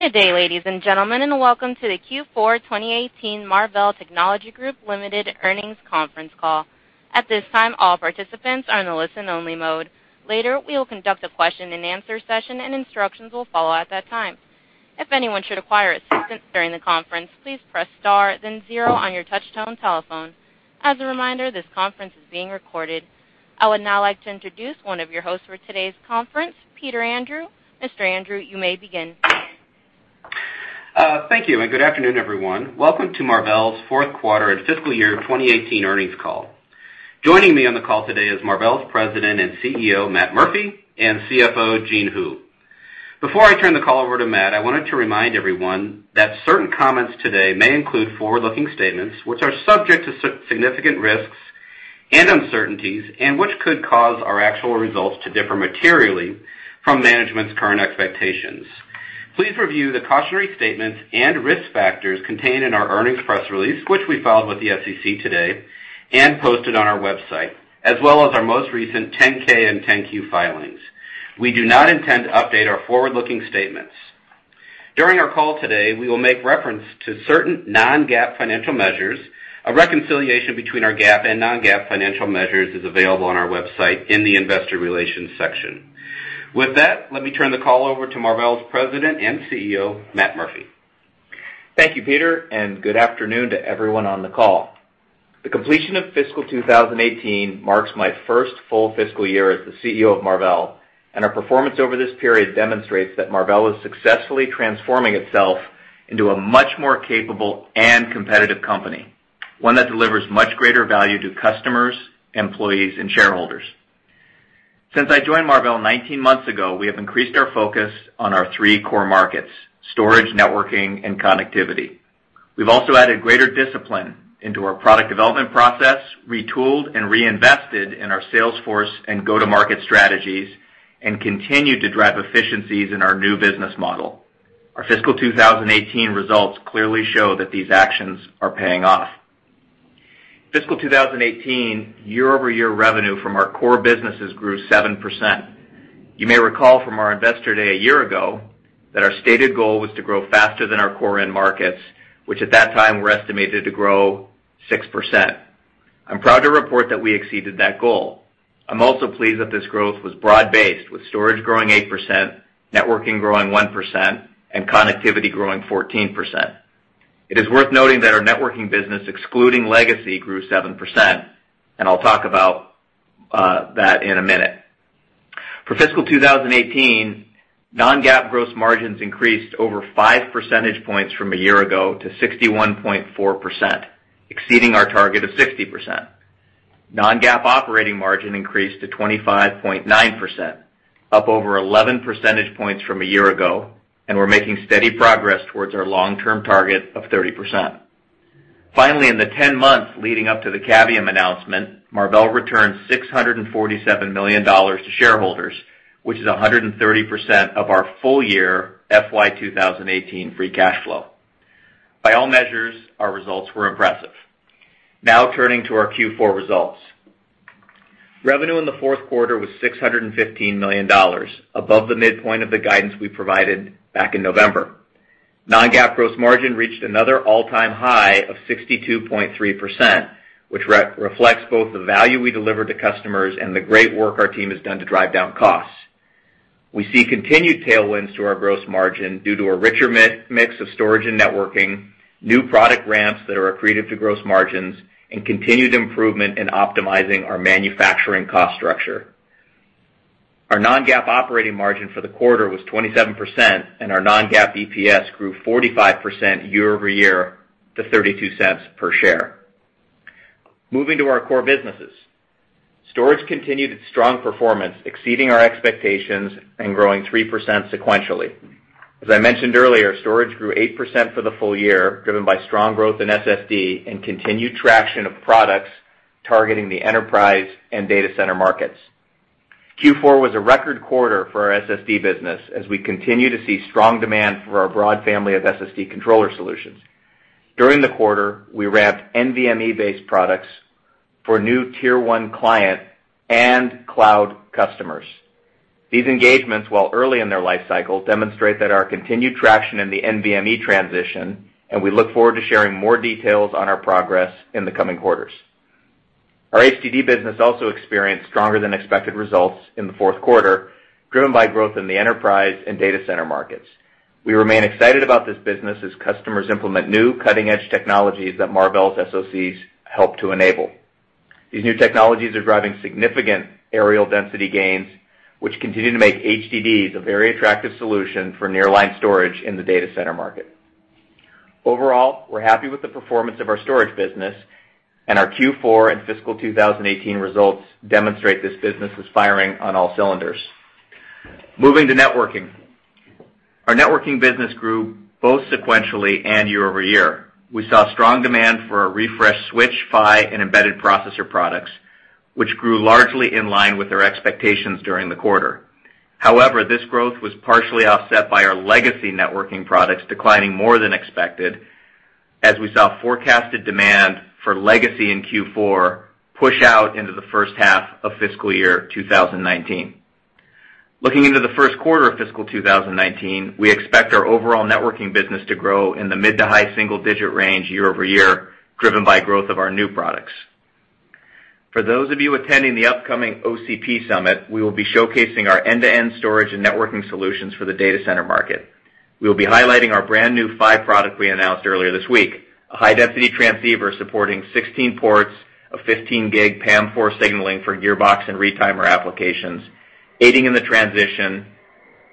Good day, ladies and gentlemen, and welcome to the Q4 2018 Marvell Technology Group Ltd. earnings conference call. At this time, all participants are in a listen-only mode. Later, we will conduct a question and answer session and instructions will follow at that time. If anyone should require assistance during the conference, please press star then zero on your touch-tone telephone. As a reminder, this conference is being recorded. I would now like to introduce one of your hosts for today's conference, Peter Andrew. Mr. Andrew, you may begin. Thank you. Good afternoon, everyone. Welcome to Marvell's fourth quarter and fiscal year 2018 earnings call. Joining me on the call today is Marvell's President and CEO, Matt Murphy, and CFO, Jean Hu. Before I turn the call over to Matt, I wanted to remind everyone that certain comments today may include forward-looking statements which are subject to significant risks and uncertainties and which could cause our actual results to differ materially from management's current expectations. Please review the cautionary statements and risk factors contained in our earnings press release, which we filed with the SEC today and posted on our website, as well as our most recent 10-K and 10-Q filings. We do not intend to update our forward-looking statements. During our call today, we will make reference to certain non-GAAP financial measures. A reconciliation between our GAAP and non-GAAP financial measures is available on our website in the investor relations section. With that, let me turn the call over to Marvell's President and CEO, Matt Murphy. Thank you, Peter. Good afternoon to everyone on the call. The completion of fiscal 2018 marks my first full fiscal year as the CEO of Marvell, and our performance over this period demonstrates that Marvell is successfully transforming itself into a much more capable and competitive company, one that delivers much greater value to customers, employees, and shareholders. Since I joined Marvell 19 months ago, we have increased our focus on our three core markets: storage, networking, and connectivity. We've also added greater discipline into our product development process, retooled and reinvested in our sales force and go-to-market strategies, and continued to drive efficiencies in our new business model. Our fiscal 2018 results clearly show that these actions are paying off. Fiscal 2018 year-over-year revenue from our core businesses grew 7%. You may recall from our investor day a year ago that our stated goal was to grow faster than our core end markets, which at that time were estimated to grow 6%. I'm proud to report that we exceeded that goal. I'm also pleased that this growth was broad-based, with storage growing 8%, networking growing 1%, and connectivity growing 14%. It is worth noting that our networking business, excluding legacy, grew 7%. I'll talk about that in a minute. For fiscal 2018, non-GAAP gross margins increased over five percentage points from a year ago to 61.4%, exceeding our target of 60%. Non-GAAP operating margin increased to 25.9%, up over 11 percentage points from a year ago. We're making steady progress towards our long-term target of 30%. Finally, in the 10 months leading up to the Cavium announcement, Marvell returned $647 million to shareholders, which is 130% of our full year FY 2018 free cash flow. By all measures, our results were impressive. Now turning to our Q4 results. Revenue in the fourth quarter was $615 million, above the midpoint of the guidance we provided back in November. Non-GAAP gross margin reached another all-time high of 62.3%, which reflects both the value we deliver to customers and the great work our team has done to drive down costs. We see continued tailwinds to our gross margin due to a richer mix of storage and networking, new product ramps that are accretive to gross margins, and continued improvement in optimizing our manufacturing cost structure. Our non-GAAP operating margin for the quarter was 27%. Our non-GAAP EPS grew 45% year over year to $0.32 per share. Moving to our core businesses. Storage continued its strong performance, exceeding our expectations and growing 3% sequentially. As I mentioned earlier, storage grew 8% for the full year, driven by strong growth in SSD and continued traction of products targeting the enterprise and data center markets. Q4 was a record quarter for our SSD business as we continue to see strong demand for our broad family of SSD controller solutions. During the quarter, we ramped NVMe-based products for new tier 1 client and cloud customers. These engagements, while early in their lifecycle, demonstrate that our continued traction in the NVMe transition. We look forward to sharing more details on our progress in the coming quarters. Our HDD business also experienced stronger than expected results in the fourth quarter, driven by growth in the enterprise and data center markets. We remain excited about this business as customers implement new cutting-edge technologies that Marvell's SOCs help to enable. These new technologies are driving significant aerial density gains, which continue to make HDDs a very attractive solution for nearline storage in the data center market. Overall, we're happy with the performance of our storage business. Our Q4 and fiscal 2018 results demonstrate this business is firing on all cylinders. Moving to networking. Our networking business grew both sequentially and year over year. We saw strong demand for our refresh switch, PHY, and embedded processor products, which grew largely in line with their expectations during the quarter. However, this growth was partially offset by our legacy networking products declining more than expected. We saw forecasted demand for legacy in Q4 push out into the first half of fiscal year 2019. Looking into the first quarter of fiscal 2019, we expect our overall networking business to grow in the mid to high single-digit range year-over-year, driven by growth of our new products. For those of you attending the upcoming OCP Summit, we will be showcasing our end-to-end storage and networking solutions for the data center market. We will be highlighting our brand new PHY product we announced earlier this week, a high-density transceiver supporting 16 ports of 15G PAM4 signaling for gearbox and retimer applications, aiding in the transition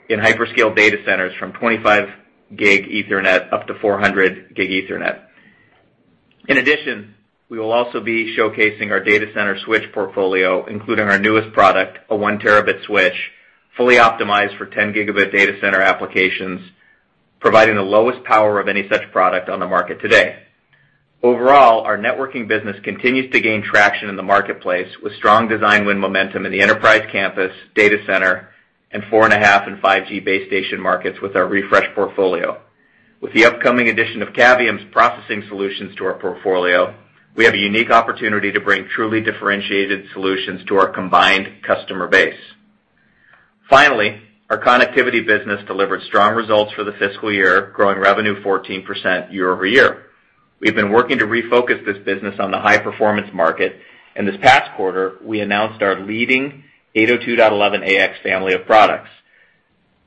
in hyperscale data centers from 25G Ethernet up to 400G Ethernet. In addition, we will also be showcasing our data center switch portfolio, including our newest product, a 1 terabit switch, fully optimized for 10 gigabit data center applications, providing the lowest power of any such product on the market today. Our networking business continues to gain traction in the marketplace with strong design win momentum in the enterprise campus, data center, and four and a half and 5G base station markets with our refresh portfolio. With the upcoming addition of Cavium's processing solutions to our portfolio, we have a unique opportunity to bring truly differentiated solutions to our combined customer base. Our connectivity business delivered strong results for the fiscal year, growing revenue 14% year-over-year. We've been working to refocus this business on the high-performance market, and this past quarter, we announced our leading 802.11ax family of products.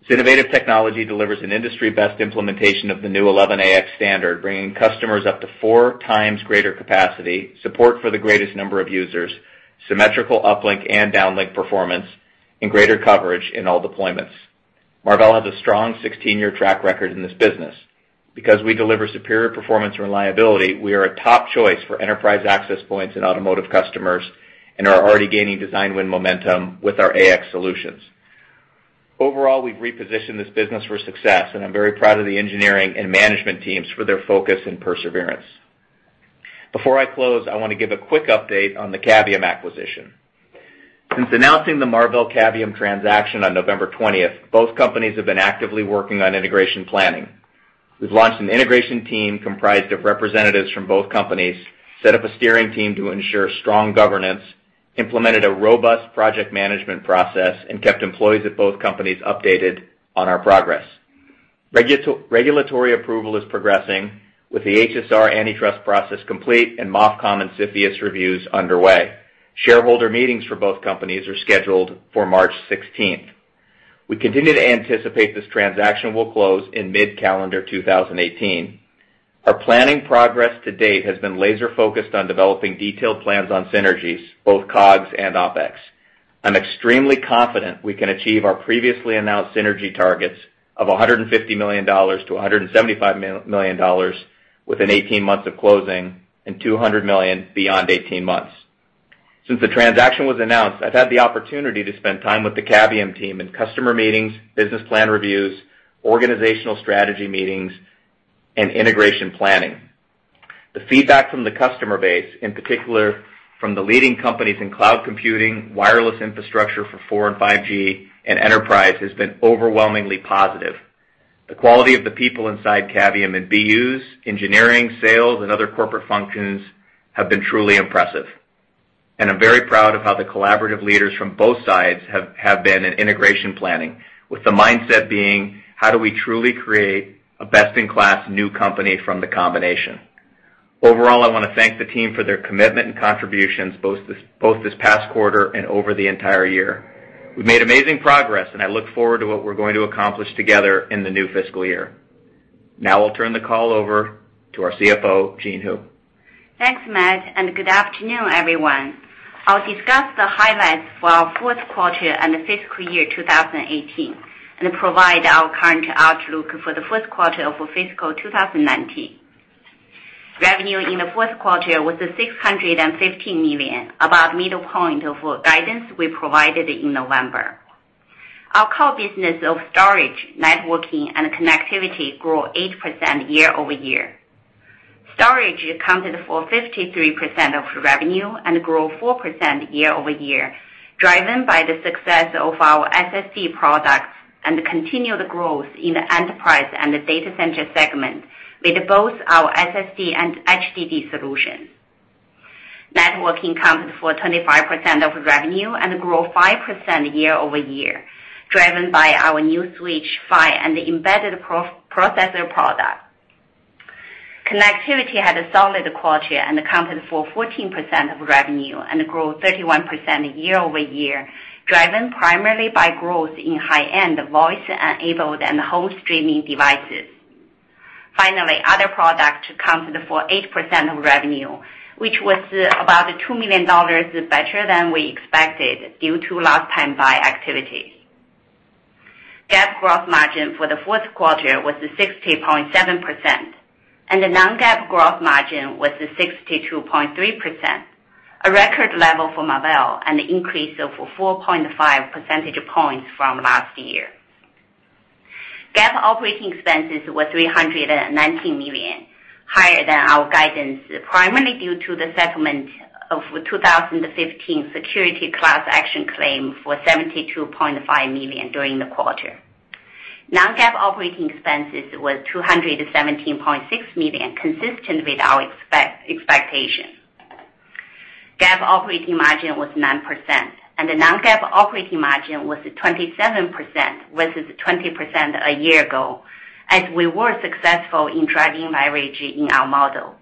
This innovative technology delivers an industry-best implementation of the new 11ax standard, bringing customers up to four times greater capacity, support for the greatest number of users, symmetrical uplink and downlink performance, and greater coverage in all deployments. Marvell has a strong 16-year track record in this business. Because we deliver superior performance reliability, we are a top choice for enterprise access points in automotive customers and are already gaining design win momentum with our 11ax solutions. We've repositioned this business for success, and I'm very proud of the engineering and management teams for their focus and perseverance. Before I close, I want to give a quick update on the Cavium acquisition. Since announcing the Marvell Cavium transaction on November 20th, both companies have been actively working on integration planning. We've launched an integration team comprised of representatives from both companies, set up a steering team to ensure strong governance, implemented a robust project management process, and kept employees at both companies updated on our progress. Regulatory approval is progressing with the HSR antitrust process complete and MOFCOM and CFIUS reviews underway. Shareholder meetings for both companies are scheduled for March 16th. We continue to anticipate this transaction will close in mid-calendar 2018. Our planning progress to date has been laser-focused on developing detailed plans on synergies, both COGS and OPEX. I'm extremely confident we can achieve our previously announced synergy targets of $150 million to $175 million within 18 months of closing, and $200 million beyond 18 months. Since the transaction was announced, I've had the opportunity to spend time with the Cavium team in customer meetings, business plan reviews, organizational strategy meetings, and integration planning. The feedback from the customer base, in particular from the leading companies in cloud computing, wireless infrastructure for four and 5G, and enterprise, has been overwhelmingly positive. The quality of the people inside Cavium in BUs, engineering, sales, and other corporate functions have been truly impressive. I'm very proud of how the collaborative leaders from both sides have been in integration planning, with the mindset being, "How do we truly create a best-in-class new company from the combination?" Overall, I want to thank the team for their commitment and contributions, both this past quarter and over the entire year. We've made amazing progress, and I look forward to what we're going to accomplish together in the new fiscal year. Now I'll turn the call over to our CFO, Jean Hu. Thanks, Matt, and good afternoon, everyone. I'll discuss the highlights for our fourth quarter and fiscal year 2018 and provide our current outlook for the first quarter of fiscal 2019. Revenue in the fourth quarter was $615 million, about middle point of guidance we provided in November. Our core business of storage, networking, and connectivity grew 8% year-over-year. Storage accounted for 53% of revenue and grew 4% year-over-year, driven by the success of our SSD products and continued growth in the enterprise and data center segment with both our SSD and HDD solutions. Networking accounted for 25% of revenue and grew 5% year-over-year, driven by our new switch PHY and embedded processor product. Connectivity had a solid quarter and accounted for 14% of revenue and grew 31% year-over-year, driven primarily by growth in high-end voice-enabled and home streaming devices. Finally, other products accounted for 8% of revenue, which was about $2 million better than we expected due to last-time buy activity. GAAP gross margin for the fourth quarter was 60.7%, and the non-GAAP gross margin was 62.3%, a record level for Marvell, an increase of 4.5 percentage points from last year. GAAP operating expenses were $319 million, higher than our guidance, primarily due to the settlement of 2015 security class action claim for $72.5 million during the quarter. Non-GAAP operating expenses was $217.6 million, consistent with our expectation. GAAP operating margin was 9%, and the non-GAAP operating margin was 27%, versus 20% a year ago, as we were successful in driving leverage in our model.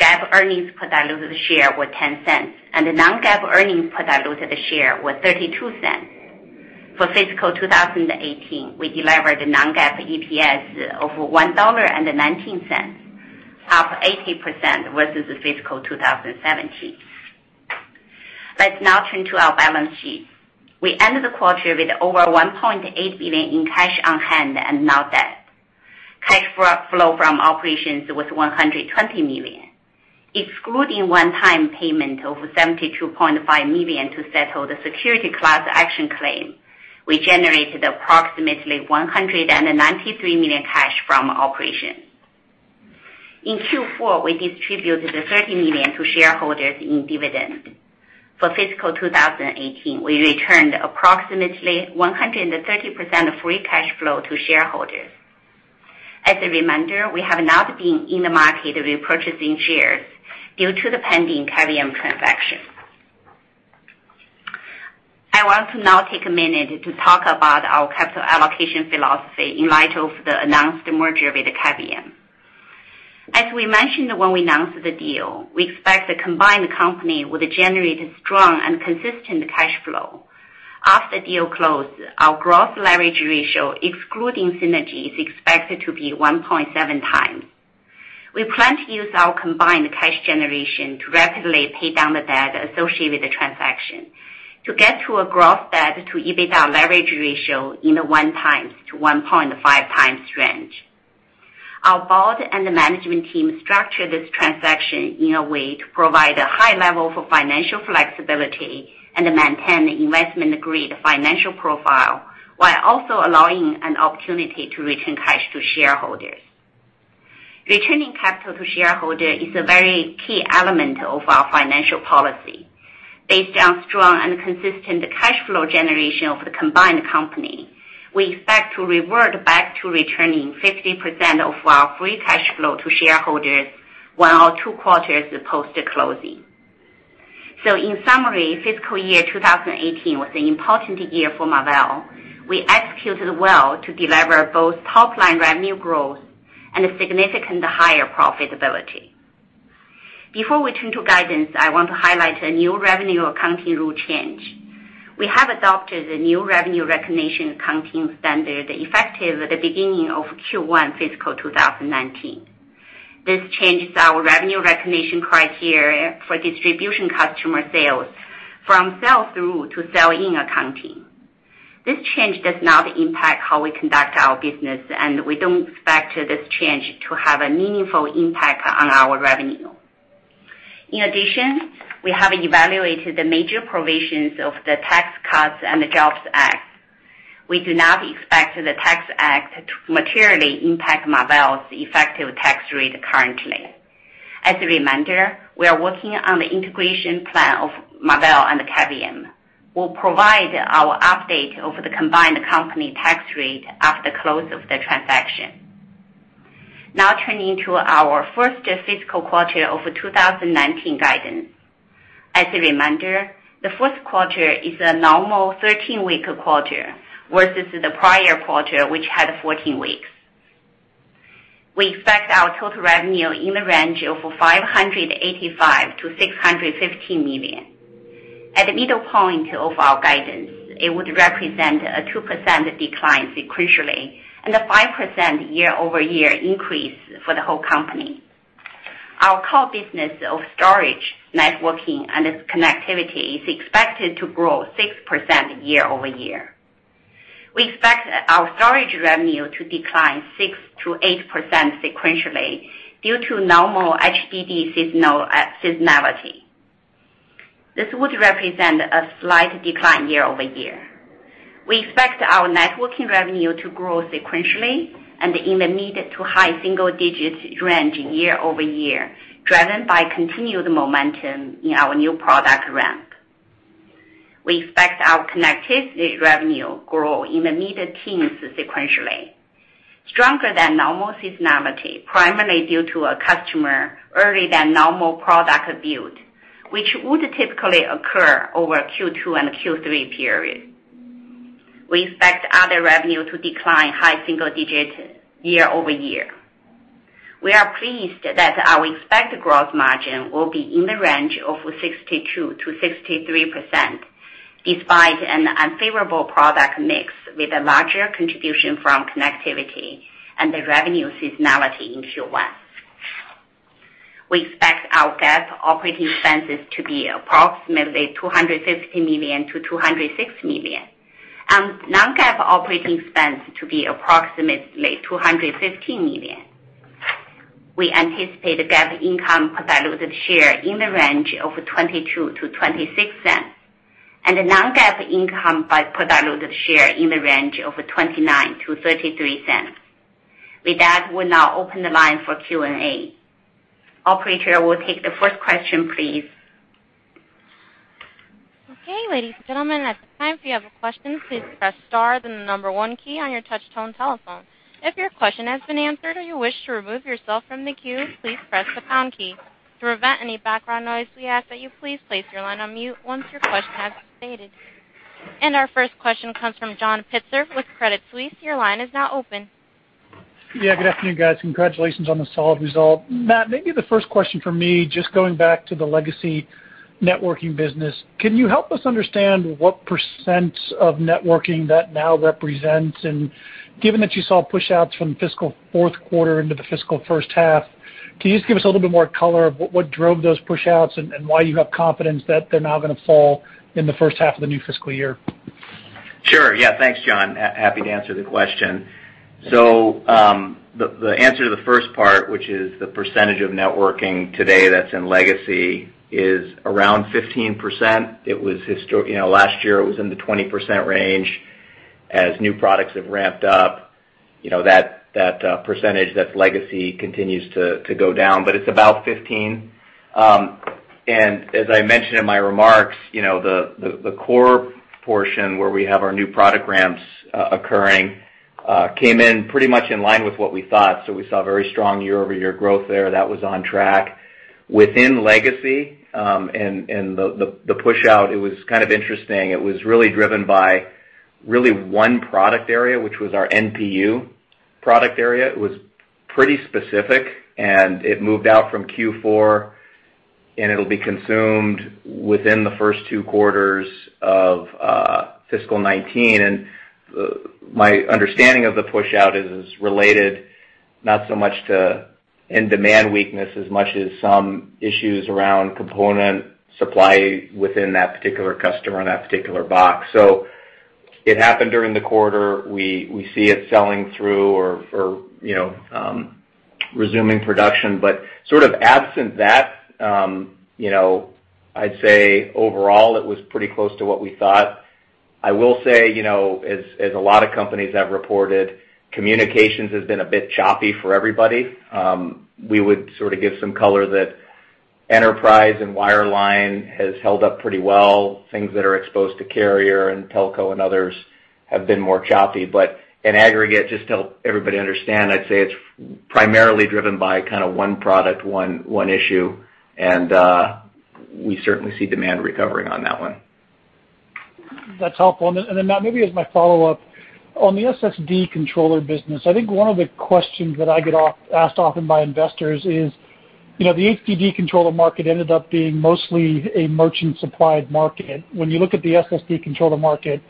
GAAP earnings per diluted share was $0.10, and the non-GAAP earnings per diluted share was $0.32. For fiscal 2018, we delivered a non-GAAP EPS of $1.19, up 80% versus fiscal 2017. Let's now turn to our balance sheet. We ended the quarter with over $1.8 billion in cash on hand and no debt. Cash flow from operations was $120 million. Excluding one-time payment of $72.5 million to settle the security class action claim, we generated approximately $193 million cash from operations. In Q4, we distributed $30 million to shareholders in dividends. For fiscal 2018, we returned approximately 130% of free cash flow to shareholders. As a reminder, we have not been in the market repurchasing shares due to the pending Cavium transaction. I want to now take a minute to talk about our capital allocation philosophy in light of the announced merger with Cavium. As we mentioned when we announced the deal, we expect the combined company will generate a strong and consistent cash flow. After the deal closed, our gross leverage ratio, excluding synergy, is expected to be 1.7 times. We plan to use our combined cash generation to rapidly pay down the debt associated with the transaction to get to a gross debt to EBITDA leverage ratio in a 1x to 1.5x range. Our board and the management team structured this transaction in a way to provide a high level of financial flexibility and maintain investment-grade financial profile, while also allowing an opportunity to return cash to shareholders. Returning capital to shareholders is a very key element of our financial policy. Based on strong and consistent cash flow generation of the combined company, we expect to revert back to returning 50% of our free cash flow to shareholders while two quarters post closing. In summary, fiscal year 2018 was an important year for Marvell. We executed well to deliver both top-line revenue growth and a significant higher profitability. Before we turn to guidance, I want to highlight a new revenue accounting rule change. We have adopted the new revenue recognition accounting standard effective at the beginning of Q1 fiscal 2019. This changes our revenue recognition criteria for distribution customer sales from sell-through to sell-in accounting. This change does not impact how we conduct our business, and we don't expect this change to have a meaningful impact on our revenue. In addition, we have evaluated the major provisions of the Tax Cuts and Jobs Act. We do not expect the Tax Act to materially impact Marvell's effective tax rate currently. As a reminder, we are working on the integration plan of Marvell and Cavium. We'll provide our update of the combined company tax rate after close of the transaction. Turning to our first fiscal quarter of 2019 guidance. As a reminder, the fourth quarter is a normal 13-week quarter versus the prior quarter, which had 14 weeks. We expect our total revenue in the range of $585 million-$615 million. At the middle point of our guidance, it would represent a 2% decline sequentially and a 5% year-over-year increase for the whole company. Our core business of storage, networking, and connectivity is expected to grow 6% year-over-year. We expect our storage revenue to decline 6%-8% sequentially due to normal HDD seasonality. This would represent a slight decline year-over-year. We expect our networking revenue to grow sequentially and in the mid to high single digits range year-over-year, driven by continued momentum in our new product ramp. We expect our connectivity revenue grow in the mid-teens sequentially, stronger than normal seasonality, primarily due to a customer earlier than normal product build, which would typically occur over Q2 and Q3 period. We expect other revenue to decline high single digit year-over-year. We are pleased that our expected growth margin will be in the range of 62%-63% despite an unfavorable product mix with a larger contribution from connectivity and the revenue seasonality in Q1. We expect our GAAP operating expenses to be approximately $250 million-$260 million, and non-GAAP operating expense to be approximately $215 million. We anticipate GAAP income per diluted share in the range of $0.22-$0.26, and the non-GAAP income by per diluted share in the range of $0.29-$0.33. With that, we'll now open the line for Q&A. Operator, we'll take the first question, please. Okay, ladies and gentlemen. At this time, if you have a question, please press star, then the number 1 key on your touch-tone telephone. If your question has been answered or you wish to remove yourself from the queue, please press the pound key. To prevent any background noise, we ask that you please place your line on mute once your question has been stated. Our first question comes from John Pitzer with Credit Suisse. Your line is now open. Yeah. Good afternoon, guys. Congratulations on the solid result. Matt, maybe the first question from me, just going back to the legacy networking business. Can you help us understand what % of networking that now represents? Given that you saw pushouts from the fiscal fourth quarter into the fiscal first half, can you just give us a little bit more color of what drove those pushouts and why you have confidence that they're now going to fall in the first half of the new fiscal year? Sure. Yeah. Thanks, John. Happy to answer the question. The answer to the first part, which is the % of networking today that's in legacy, is around 15%. Last year, it was in the 20% range. As new products have ramped up, that %, that legacy continues to go down, but it's about 15. As I mentioned in my remarks, the core portion where we have our new product ramps occurring, came in pretty much in line with what we thought. We saw very strong year-over-year growth there. That was on track. Within legacy, the pushout, it was kind of interesting. It was really driven by one product area, which was our NPU product area. It was pretty specific, and it moved out from Q4, and it'll be consumed within the first two quarters of fiscal 2019. My understanding of the pushout is it's related not so much to end demand weakness as much as some issues around component supply within that particular customer on that particular box. It happened during the quarter. We see it selling through or resuming production. Sort of absent that, I'd say overall it was pretty close to what we thought. I will say, as a lot of companies have reported, communications has been a bit choppy for everybody. We would sort of give some color that enterprise and wireline has held up pretty well. Things that are exposed to carrier and telco and others have been more choppy. In aggregate, just to help everybody understand, I'd say it's primarily driven by kind of one product, one issue, we certainly see demand recovering on that one. That's helpful. Matt, maybe as my follow-up, on the SSD controller business, I think one of the questions that I get asked often by investors is, the HDD controller market ended up being mostly a merchant supplied market. When you look at the SSD controller market,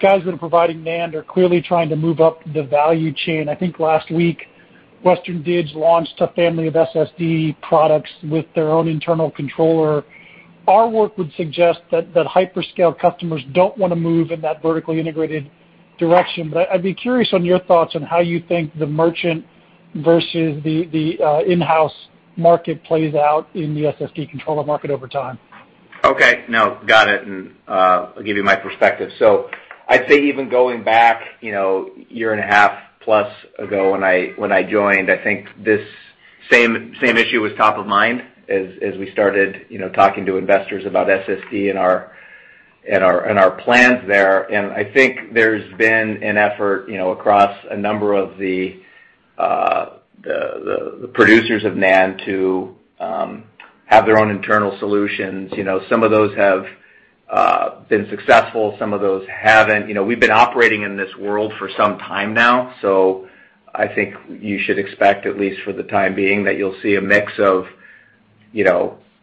guys that are providing NAND are clearly trying to move up the value chain. I think last week, Western Digital launched a family of SSD products with their own internal controller. Our work would suggest that hyperscale customers don't want to move in that vertically integrated direction. I'd be curious on your thoughts on how you think the merchant versus the in-house market plays out in the SSD controller market over time. Okay. No, got it, and I'll give you my perspective. I'd say even going back a year and a half plus ago when I joined, I think this same issue was top of mind as we started talking to investors about SSD and our plans there. I think there's been an effort across a number of the producers of NAND to have their own internal solutions. Some of those have been successful, some of those haven't. We've been operating in this world for some time now, I think you should expect, at least for the time being, that you'll see a mix of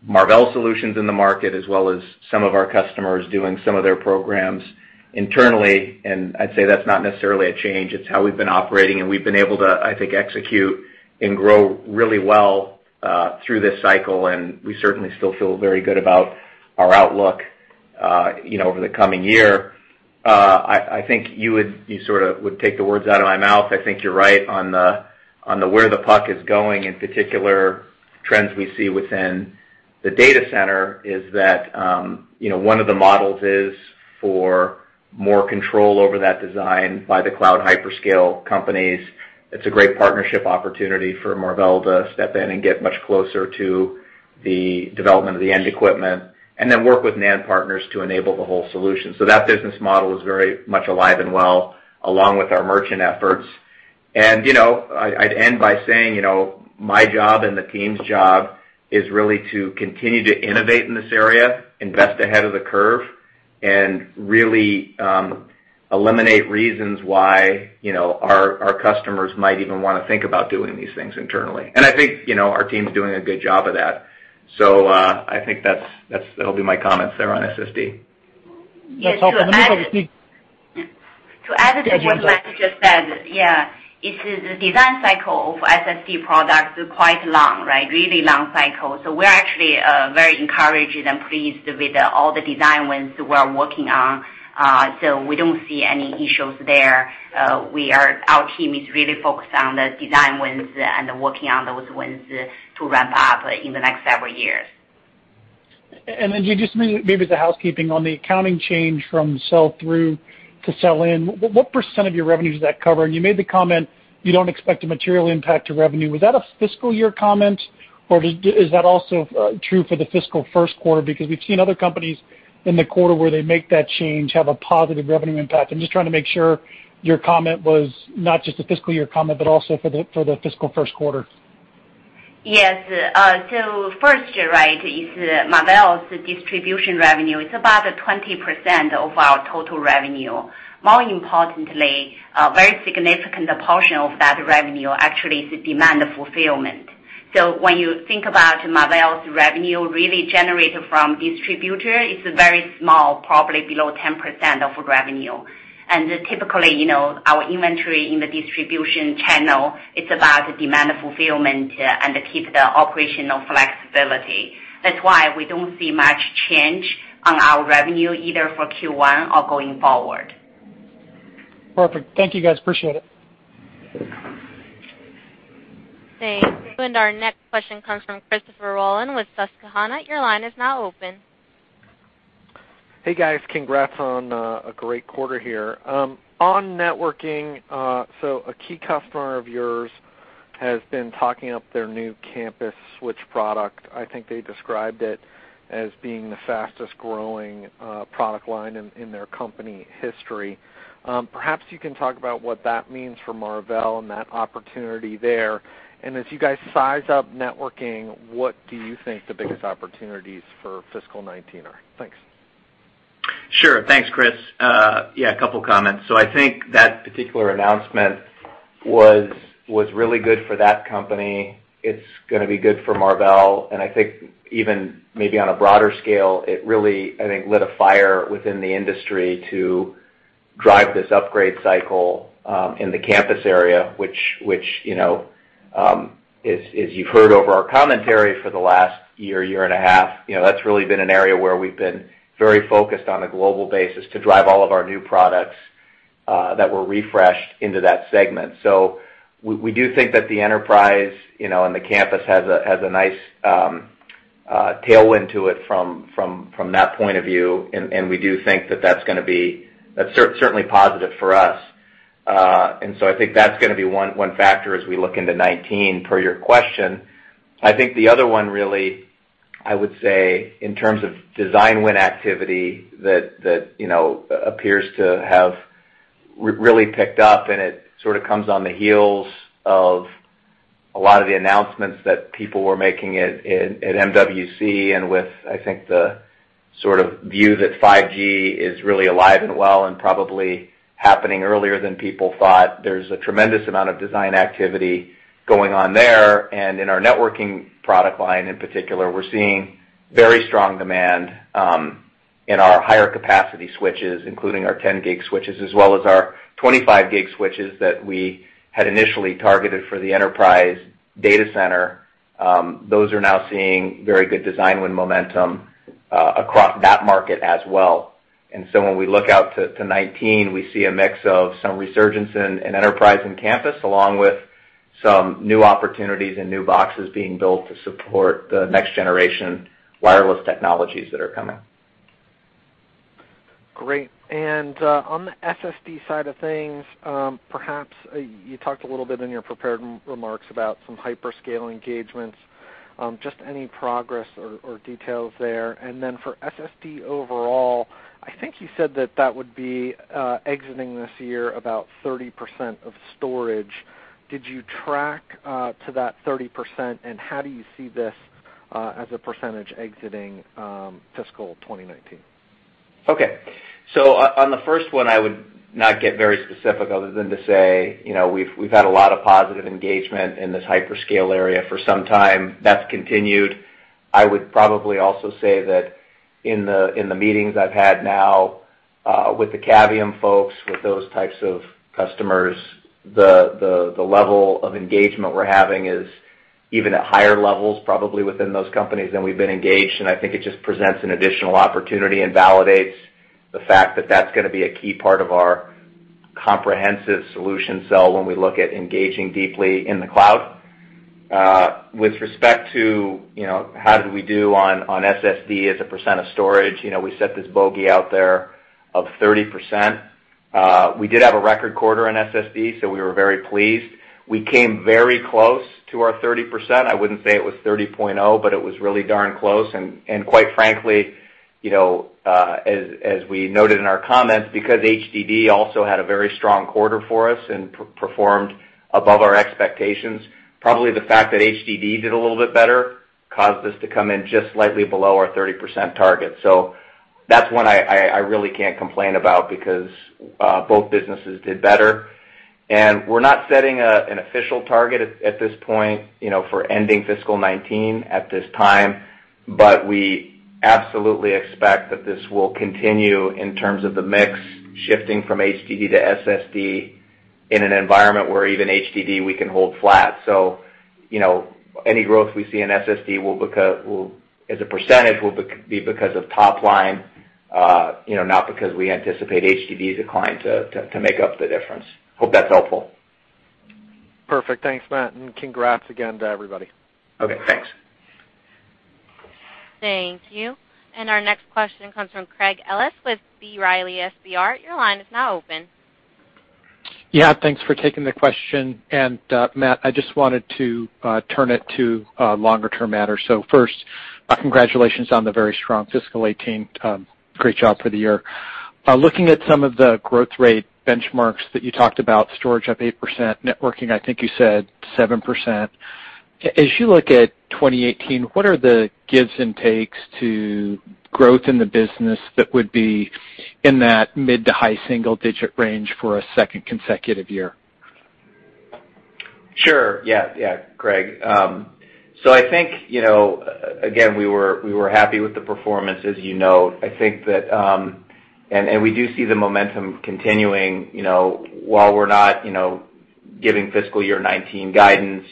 Marvell solutions in the market as well as some of our customers doing some of their programs internally. I'd say that's not necessarily a change. It's how we've been operating, and we've been able to, I think, execute and grow really well, through this cycle, and we certainly still feel very good about our outlook over the coming year. I think you sort of would take the words out of my mouth. I think you're right on the where the puck is going. In particular, trends we see within the data center is that one of the models is for more control over that design by the cloud hyperscale companies. It's a great partnership opportunity for Marvell to step in and get much closer to the development of the end equipment and then work with NAND partners to enable the whole solution. That business model is very much alive and well along with our merchant efforts. I'd end by saying, my job and the team's job is really to continue to innovate in this area, invest ahead of the curve, and really eliminate reasons why our customers might even want to think about doing these things internally. I think our team's doing a good job of that. I think that'll be my comments there on SSD. Yes. To add to what Matt just said, yeah. It is the design cycle of SSD products is quite long, right? Really long cycle. We're actually very encouraged and pleased with all the design wins we're working on. We don't see any issues there. Our team is really focused on the design wins and working on those wins to ramp up in the next several years. Jean, just maybe as a housekeeping on the accounting change from sell-through to sell-in, what % of your revenue does that cover? You made the comment. You don't expect a material impact to revenue. Was that a fiscal year comment, or is that also true for the fiscal first quarter? We've seen other companies in the quarter where they make that change have a positive revenue impact. I'm just trying to make sure your comment was not just a fiscal year comment, but also for the fiscal first quarter. Yes. First, you're right, is Marvell's distribution revenue. It's about 20% of our total revenue. More importantly, a very significant portion of that revenue actually is demand fulfillment. When you think about Marvell's revenue really generated from distributor, it's very small, probably below 10% of revenue. Typically, our inventory in the distribution channel, it's about demand fulfillment and keep the operational flexibility. That's why we don't see much change on our revenue either for Q1 or going forward. Perfect. Thank you, guys. Appreciate it. Thanks. Our next question comes from Christopher Rolland with Susquehanna. Your line is now open. Hey, guys. Congrats on a great quarter here. On networking, a key customer of yours has been talking up their new campus switch product. I think they described it as being the fastest-growing product line in their company history. Perhaps you can talk about what that means for Marvell and that opportunity there. As you guys size up networking, what do you think the biggest opportunities for fiscal 2019 are? Thanks. Sure. Thanks, Chris. Yeah, a couple of comments. I think that particular announcement was really good for that company. It's going to be good for Marvell, and I think even maybe on a broader scale, it really lit a fire within the industry to drive this upgrade cycle in the campus area, which, as you've heard over our commentary for the last year and a half, that's really been an area where we've been very focused on a global basis to drive all of our new products that were refreshed into that segment. We do think that the enterprise, and the campus has a nice tailwind to it from that point of view, and we do think that that's certainly positive for us. I think that's going to be one factor as we look into 2019, per your question. I think the other one really, I would say, in terms of design win activity that appears to have really picked up, and it sort of comes on the heels of a lot of the announcements that people were making at MWC, and with, I think, the sort of view that 5G is really alive and well and probably happening earlier than people thought. There's a tremendous amount of design activity going on there, and in our networking product line in particular, we're seeing very strong demand in our higher capacity switches, including our 10G switches, as well as our 25G switches that we had initially targeted for the enterprise data center. Those are now seeing very good design win momentum across that market as well. When we look out to 2019, we see a mix of some resurgence in enterprise and campus, along with some new opportunities and new boxes being built to support the next-generation wireless technologies that are coming. Great. On the SSD side of things, perhaps you talked a little bit in your prepared remarks about some hyperscale engagements. Any progress or details there? For SSD overall, I think you said that that would be exiting this year about 30% of storage. Did you track to that 30%? How do you see this as a percentage exiting fiscal 2019? On the first one, I would not get very specific other than to say, we've had a lot of positive engagement in this hyperscale area for some time. That's continued. I would probably also say that in the meetings I've had now with the Cavium folks, with those types of customers, the level of engagement we're having is even at higher levels, probably within those companies than we've been engaged. I think it just presents an additional opportunity and validates the fact that that's going to be a key part of our comprehensive solution sell when we look at engaging deeply in the cloud. With respect to how did we do on SSD as a percent of storage, we set this bogey out there of 30%. We did have a record quarter in SSD, we were very pleased. We came very close to our 30%. I wouldn't say it was 30.0, it was really darn close. Quite frankly, as we noted in our comments, because HDD also had a very strong quarter for us and performed above our expectations, probably the fact that HDD did a little bit better caused us to come in just slightly below our 30% target. That's one I really can't complain about because both businesses did better. We're not setting an official target at this point for ending fiscal 2019 at this time. We absolutely expect that this will continue in terms of the mix shifting from HDD to SSD in an environment where even HDD we can hold flat. Any growth we see in SSD, as a percentage, will be because of top line, not because we anticipate HDD decline to make up the difference. Hope that's helpful. Perfect. Thanks, Matt. Congrats again to everybody. Okay, thanks. Thank you. Our next question comes from Craig Ellis with B. Riley FBR. Your line is now open. Yeah, thanks for taking the question. Matt, I just wanted to turn it to longer-term matters. First, congratulations on the very strong fiscal 2018. Great job for the year. Looking at some of the growth rate benchmarks that you talked about, storage up 8%, networking, I think you said 7%. As you look at 2018, what are the gives and takes to growth in the business that would be in that mid to high single-digit range for a second consecutive year? Sure. Yeah, Craig. I think, again, we were happy with the performance, as you know. We do see the momentum continuing. While we're not giving fiscal year 2019 guidance,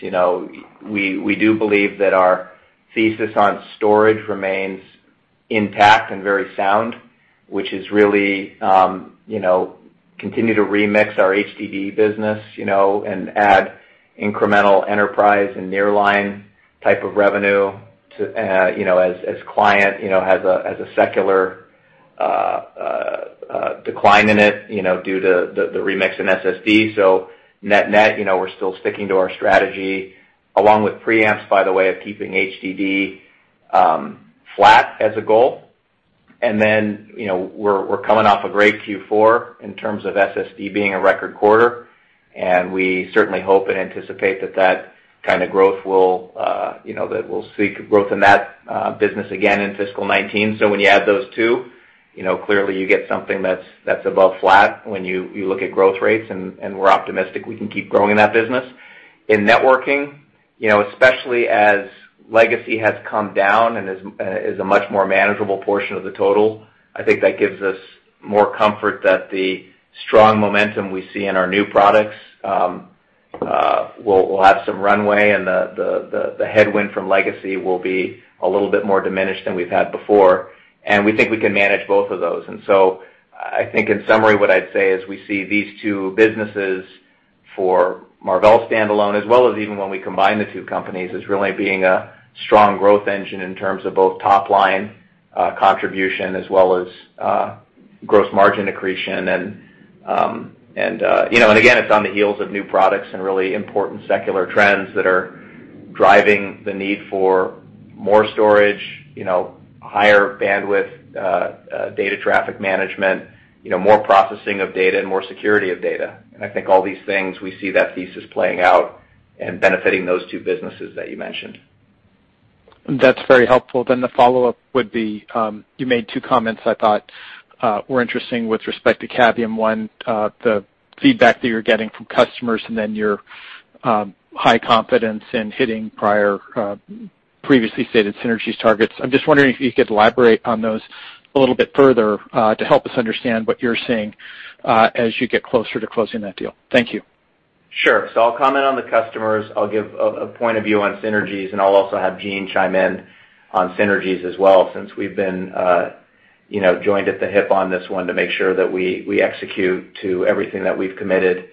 we do believe that our thesis on storage remains intact and very sound, which is really continue to remix our HDD business, and add incremental enterprise and nearline type of revenue as client, has a secular decline in it due to the remix in SSD. Net-net, we're still sticking to our strategy, along with preamps, by the way, of keeping HDD flat as a goal. We're coming off a great Q4 in terms of SSD being a record quarter, and we certainly hope and anticipate that we'll see growth in that business again in fiscal 2019. When you add those two, clearly you get something that's above flat when you look at growth rates, and we're optimistic we can keep growing that business. In networking, especially as legacy has come down and is a much more manageable portion of the total, I think that gives us more comfort that the strong momentum we see in our new products will have some runway and the headwind from legacy will be a little bit more diminished than we've had before. We think we can manage both of those. I think in summary, what I'd say is we see these two businesses for Marvell standalone as well as even when we combine the two companies, as really being a strong growth engine in terms of both top-line contribution as well as gross margin accretion. Again, it's on the heels of new products and really important secular trends that are driving the need for more storage, higher bandwidth, data traffic management, more processing of data and more security of data. I think all these things, we see that thesis playing out and benefiting those two businesses that you mentioned. That's very helpful. The follow-up would be, you made two comments I thought were interesting with respect to Cavium. One, the feedback that you're getting from customers, and then your high confidence in hitting previously stated synergies targets. I'm just wondering if you could elaborate on those a little bit further, to help us understand what you're seeing as you get closer to closing that deal. Thank you. I'll comment on the customers. I'll give a point of view on synergies, and I'll also have Jean chime in on synergies as well, since we've been joined at the hip on this one to make sure that we execute to everything that we've committed.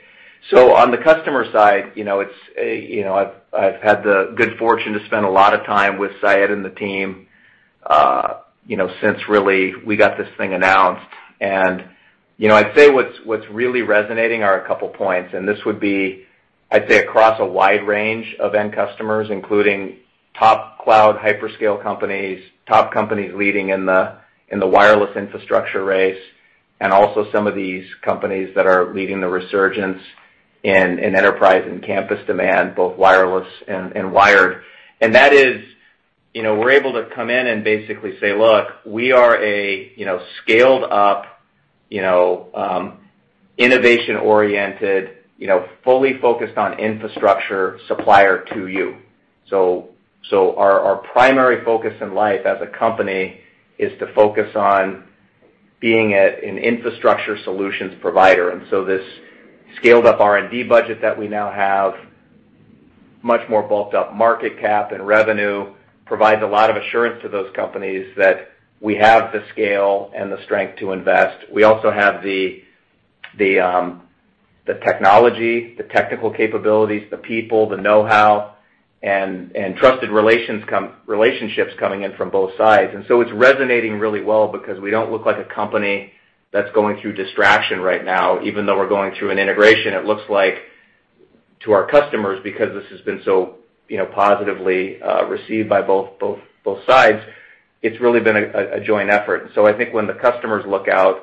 On the customer side, I've had the good fortune to spend a lot of time with Syed and the team, since really we got this thing announced. I'd say what's really resonating are a couple points, and this would be, I'd say, across a wide range of end customers, including top cloud hyperscale companies, top companies leading in the wireless infrastructure race, and also some of these companies that are leading the resurgence in enterprise and campus demand, both wireless and wired. That is, we're able to come in and basically say, look, we are a scaled-up, innovation-oriented, fully focused on infrastructure supplier to you. Our primary focus in life as a company is to focus on being an infrastructure solutions provider. This scaled-up R&D budget that we now have, much more bulked up market cap and revenue, provides a lot of assurance to those companies that we have the scale and the strength to invest. We also have the technology, the technical capabilities, the people, the know-how, and trusted relationships coming in from both sides. It's resonating really well because we don't look like a company that's going through distraction right now. Even though we're going through an integration, it looks like to our customers, because this has been so positively received by both sides, it's really been a joint effort. I think when the customers look out,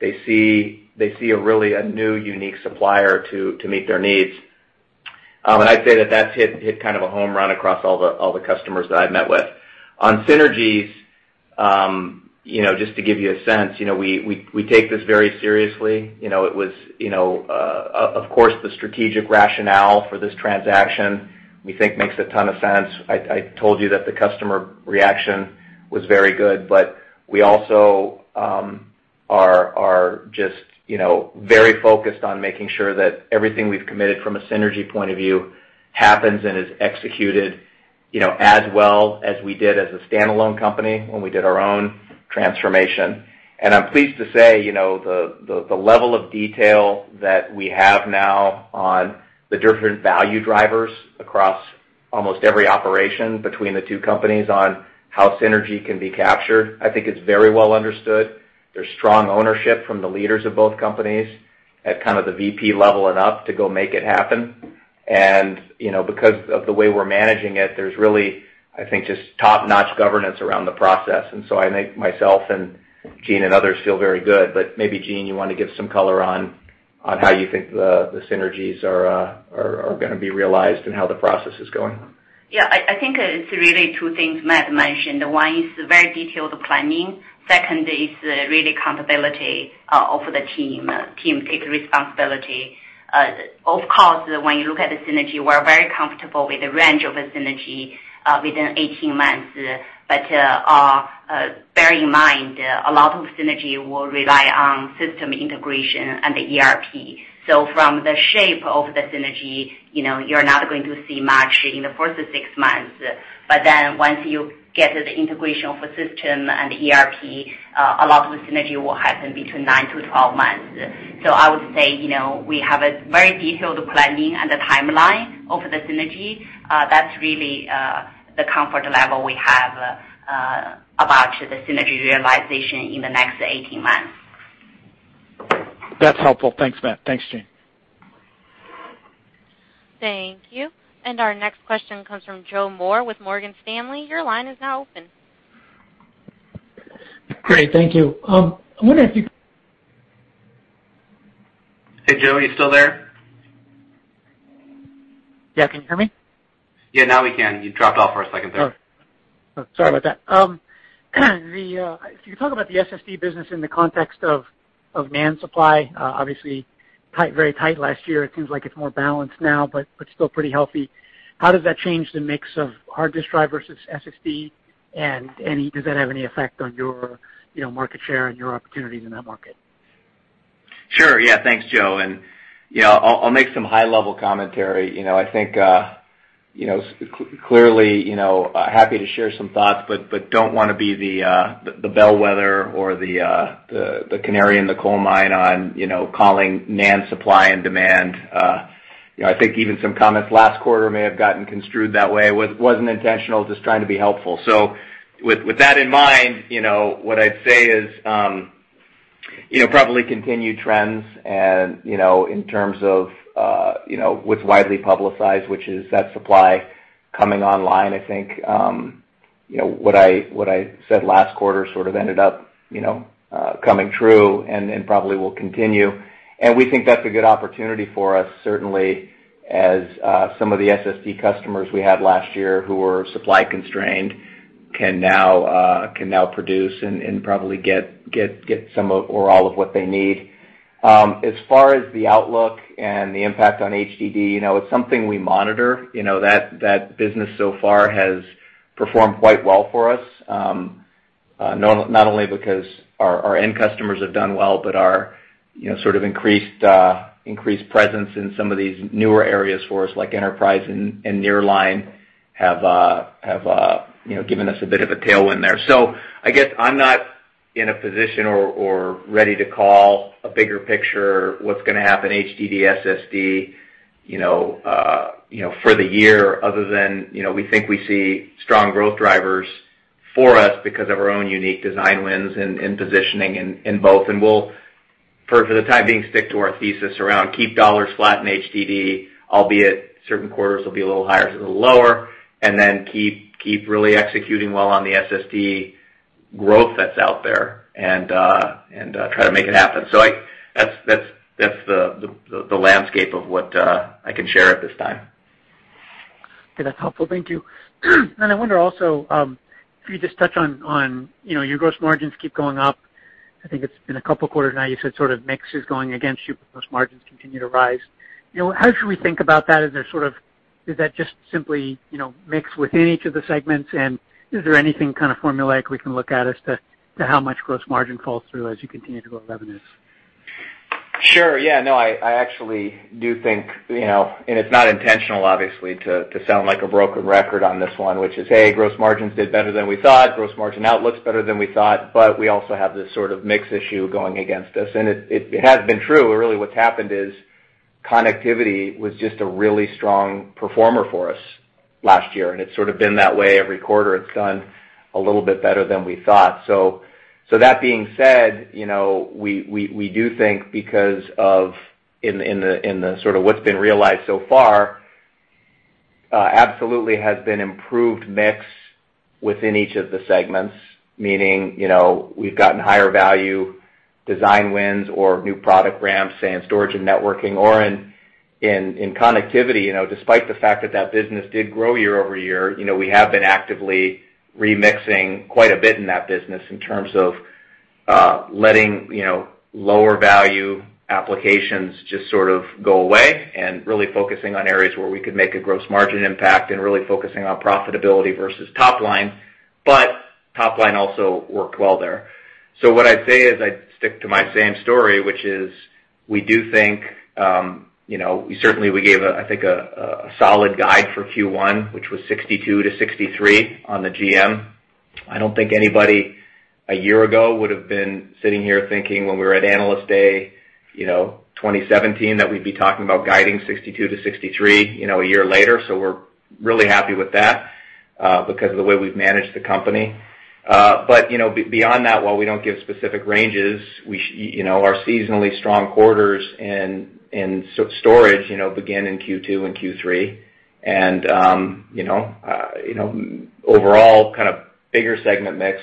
they see a really a new, unique supplier to meet their needs. I'd say that that's hit kind of a home run across all the customers that I've met with. On synergies, just to give you a sense, we take this very seriously. Of course, the strategic rationale for this transaction we think makes a ton of sense. I told you that the customer reaction was very good, we also are just very focused on making sure that everything we've committed from a synergy point of view happens and is executed as well as we did as a standalone company when we did our own transformation. I'm pleased to say, the level of detail that we have now on the different value drivers across almost every operation between the two companies on how synergy can be captured, I think is very well understood. There's strong ownership from the leaders of both companies at the VP level and up to go make it happen. Because of the way we're managing it, there's really, I think, just top-notch governance around the process. I think myself and Jean and others feel very good. Maybe, Jean, you want to give some color on how you think the synergies are going to be realized and how the process is going. Yeah. I think it's really two things Matt mentioned. One is very detailed planning. Second is really accountability of the team. Team take responsibility. When you look at the synergy, we're very comfortable with the range of a synergy within 18 months. Bear in mind, a lot of synergy will rely on system integration and the ERP. From the shape of the synergy, you're not going to see much in the first 6 months. Once you get the integration of the system and the ERP, a lot of the synergy will happen between 9 to 12 months. I would say, we have a very detailed planning and the timeline of the synergy. That's really the comfort level we have about the synergy realization in the next 18 months. That's helpful. Thanks, Matt. Thanks, Jean. Thank you. Our next question comes from Joe Moore with Morgan Stanley. Your line is now open. Great. Thank you. Hey, Joe, are you still there? Yeah. Can you hear me? Yeah, now we can. You dropped off for a second there. Oh, sorry about that. If you could talk about the SSD business in the context of NAND supply, obviously very tight last year. It seems like it's more balanced now, but still pretty healthy. How does that change the mix of hard disk drive versus SSD, and does that have any effect on your market share and your opportunities in that market? Sure. Yeah. Thanks, Joe. I'll make some high-level commentary. I think, clearly, happy to share some thoughts, but don't want to be the bellwether or the canary in the coal mine on calling NAND supply and demand. I think even some comments last quarter may have gotten construed that way. It wasn't intentional, just trying to be helpful. With that in mind, what I'd say is, probably continued trends and, in terms of what's widely publicized, which is that supply coming online. I think, what I said last quarter sort of ended up coming true and probably will continue. We think that's a good opportunity for us, certainly, as some of the SSD customers we had last year who were supply constrained can now produce and probably get some of, or all of what they need. As far as the outlook and the impact on HDD, it's something we monitor. That business so far has performed quite well for us. Not only because our end customers have done well, but our sort of increased presence in some of these newer areas for us, like enterprise and nearline have given us a bit of a tailwind there. I guess I'm not in a position or ready to call a bigger picture what's going to happen HDD, SSD, for the year other than we think we see strong growth drivers for us because of our own unique design wins and positioning in both. We'll, for the time being, stick to our thesis around keep $ flat in HDD, albeit certain quarters will be a little higher, so a little lower, and then keep really executing well on the SSD growth that's out there and try to make it happen. That's the landscape of what I can share at this time. Okay. That's helpful. Thank you. I wonder also, if you could just touch on your gross margins keep going up. I think it's been a couple of quarters now, you said sort of mix is going against you, but gross margins continue to rise. How should we think about that? Is that just simply mix within each of the segments, and is there anything kind of formulaic we can look at as to how much gross margin falls through as you continue to grow revenues? Sure. Yeah. No, I actually do think, it's not intentional, obviously, to sound like a broken record on this one, which is, hey, gross margins did better than we thought. Gross margin outlook's better than we thought, but we also have this sort of mix issue going against us. It has been true. Really what's happened is connectivity was just a really strong performer for us last year, it's sort of been that way every quarter. It's done a little bit better than we thought. That being said, we do think because of in the sort of what's been realized so far, absolutely has been improved mix within each of the segments, meaning, we've gotten higher value design wins or new product ramps in storage and networking or in connectivity. Despite the fact that that business did grow year-over-year, we have been actively remixing quite a bit in that business in terms of letting lower value applications just sort of go away and really focusing on areas where we could make a gross margin impact and really focusing on profitability versus top line. Top line also worked well there. What I'd say is I'd stick to my same story, which is we do think, certainly we gave, I think, a solid guide for Q1, which was 62%-63% on the GM. I don't think anybody a year ago would've been sitting here thinking when we were at Analyst Day 2017, that we'd be talking about guiding 62%-63% a year later. We're really happy with that. Because of the way we've managed the company. Beyond that, while we don't give specific ranges, our seasonally strong quarters in storage begin in Q2 and Q3. Overall, kind of bigger segment mix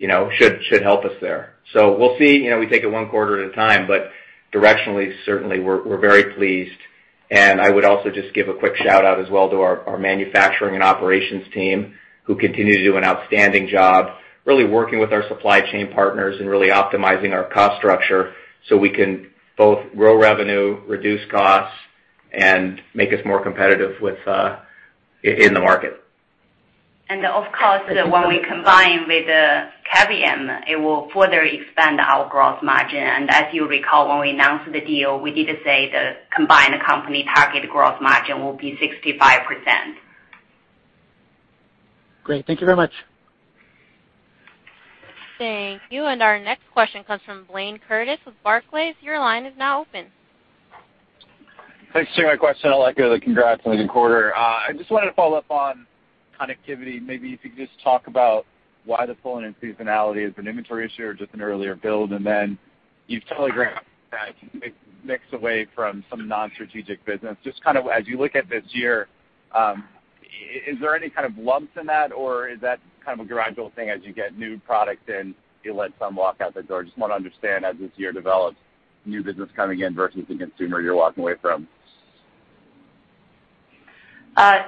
should help us there. We'll see. We take it one quarter at a time, but directionally, certainly, we're very pleased. I would also just give a quick shout-out as well to our manufacturing and operations team, who continue to do an outstanding job really working with our supply chain partners and really optimizing our cost structure so we can both grow revenue, reduce costs, and make us more competitive in the market. Of course, when we combine with Cavium, it will further expand our gross margin. As you recall, when we announced the deal, we did say the combined company target gross margin will be 65%. Great. Thank you very much. Thank you. Our next question comes from Blayne Curtis with Barclays. Your line is now open. Thanks. To my question, I'd like to give congrats on the quarter. I just wanted to follow up on connectivity. Maybe if you could just talk about why the phone and seasonality is an inventory issue or just an earlier build. Then you've telegraphed that mix away from some non-strategic business. Just kind of as you look at this year, is there any kind of lumps in that, or is that kind of a gradual thing as you get new products in, you let some walk out the door? Just want to understand, as this year develops, new business coming in versus the consumer you're walking away from.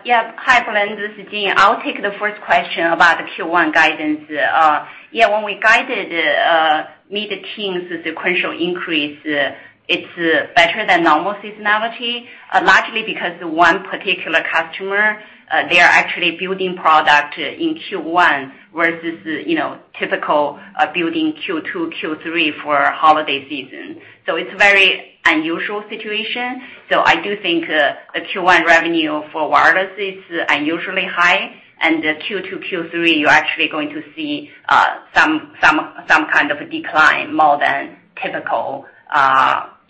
Yeah. Hi, Blayne, this is Jean. I'll take the first question about the Q1 guidance. Yeah, when we guided mid-teens sequential increase, it's better than normal seasonality, largely because one particular customer, they are actually building product in Q1 versus typical building Q2, Q3 for holiday season. It's very unusual situation. I do think the Q1 revenue for wireless is unusually high. Q2, Q3, you're actually going to see some kind of a decline more than typical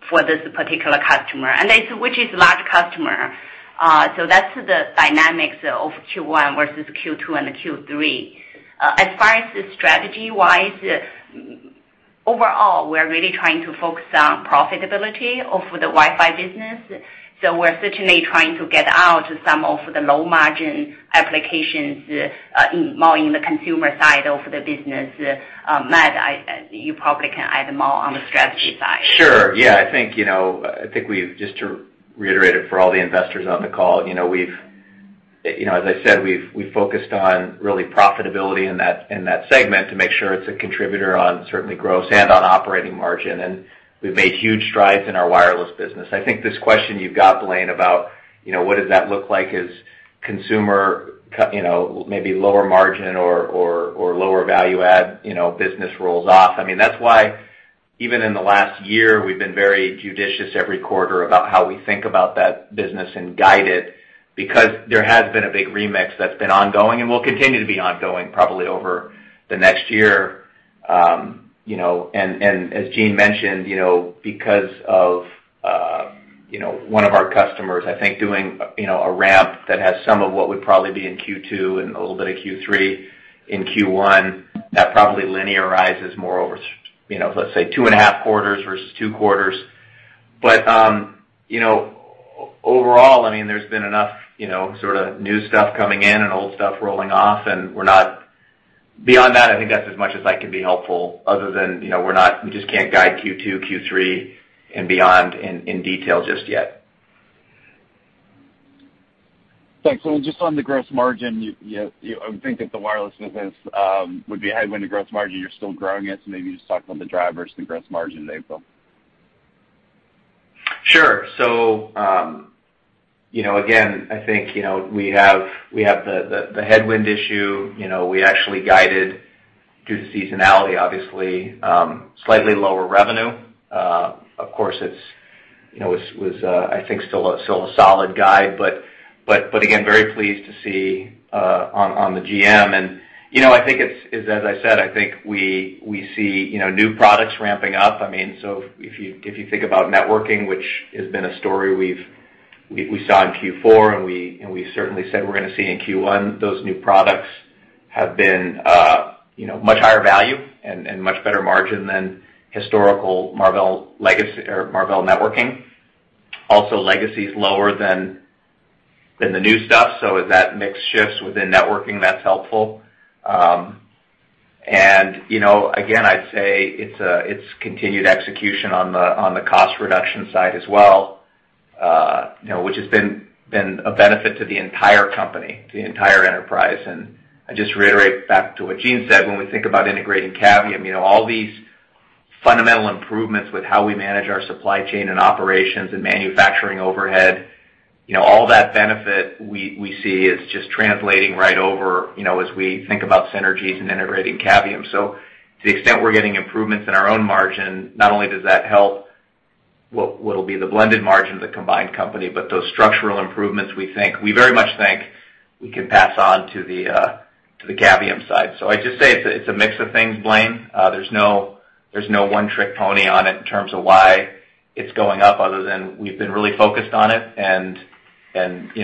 for this particular customer, and which is large customer. That's the dynamics of Q1 versus Q2 and Q3. As far as strategy-wise, overall, we're really trying to focus on profitability of the Wi-Fi business. We're certainly trying to get out some of the low-margin applications more in the consumer side of the business. Matt, you probably can add more on the strategy side. Sure. Yeah. I think just to reiterate it for all the investors on the call, as I said, we've focused on really profitability in that segment to make sure it's a contributor on certainly gross and on operating margin. We've made huge strides in our wireless business. I think this question you've got, Blayne, about what does that look like as consumer, maybe lower margin or lower value add business rolls off. That's why even in the last year, we've been very judicious every quarter about how we think about that business and guide it because there has been a big remix that's been ongoing and will continue to be ongoing probably over the next year. As Jean mentioned, because of one of our customers, I think doing a ramp that has some of what would probably be in Q2 and a little bit of Q3 in Q1, that probably linearizes more over, let's say, two and a half quarters versus two quarters. Overall, there's been enough sort of new stuff coming in and old stuff rolling off. Beyond that, I think that's as much as I can be helpful other than we just can't guide Q2, Q3 and beyond in detail just yet. Thanks. Just on the gross margin, I would think that the wireless business would be a headwind to gross margin. You're still growing it, so maybe just talk about the drivers to gross margin there, though. Sure. Again, I think we have the headwind issue. We actually guided due to seasonality, obviously, slightly lower revenue. Of course, it was, I think, still a solid guide, but again, very pleased to see on the GM. I think it's as I said, I think we see new products ramping up. If you think about networking, which has been a story we saw in Q4 and we certainly said we're going to see in Q1, those new products have been much higher value and much better margin than historical Marvell legacy or Marvell networking. Also, legacy is lower than the new stuff. As that mix shifts within networking, that's helpful. Again, I'd say it's continued execution on the cost reduction side as well, which has been a benefit to the entire company, to the entire enterprise. I just reiterate back to what Jean said, when we think about integrating Cavium, all these fundamental improvements with how we manage our supply chain and operations and manufacturing overhead, all that benefit we see is just translating right over as we think about synergies and integrating Cavium. To the extent we're getting improvements in our own margin, not only does that help what will be the blended margin of the combined company, but those structural improvements, we very much think we can pass on to the Cavium side. I just say it's a mix of things, Blayne. There's no one-trick pony on it in terms of why it's going up other than we've been really focused on it and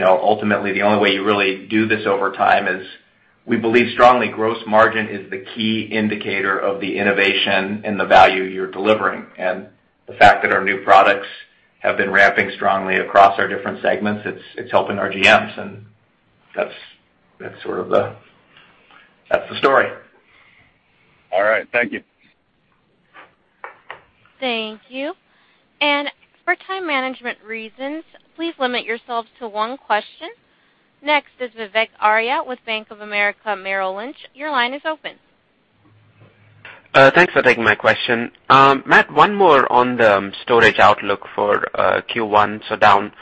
ultimately, the only way you really do this over time is we believe strongly gross margin is the key indicator of the innovation and the value you're delivering, and the fact that our new products have been ramping strongly across our different segments, it's helping our GMs, and that's the story. All right. Thank you. Thank you. For time management reasons, please limit yourselves to one question. Next is Vivek Arya with Bank of America Merrill Lynch. Your line is open. Thanks for taking my question. Matt, one more on the storage outlook for Q1, down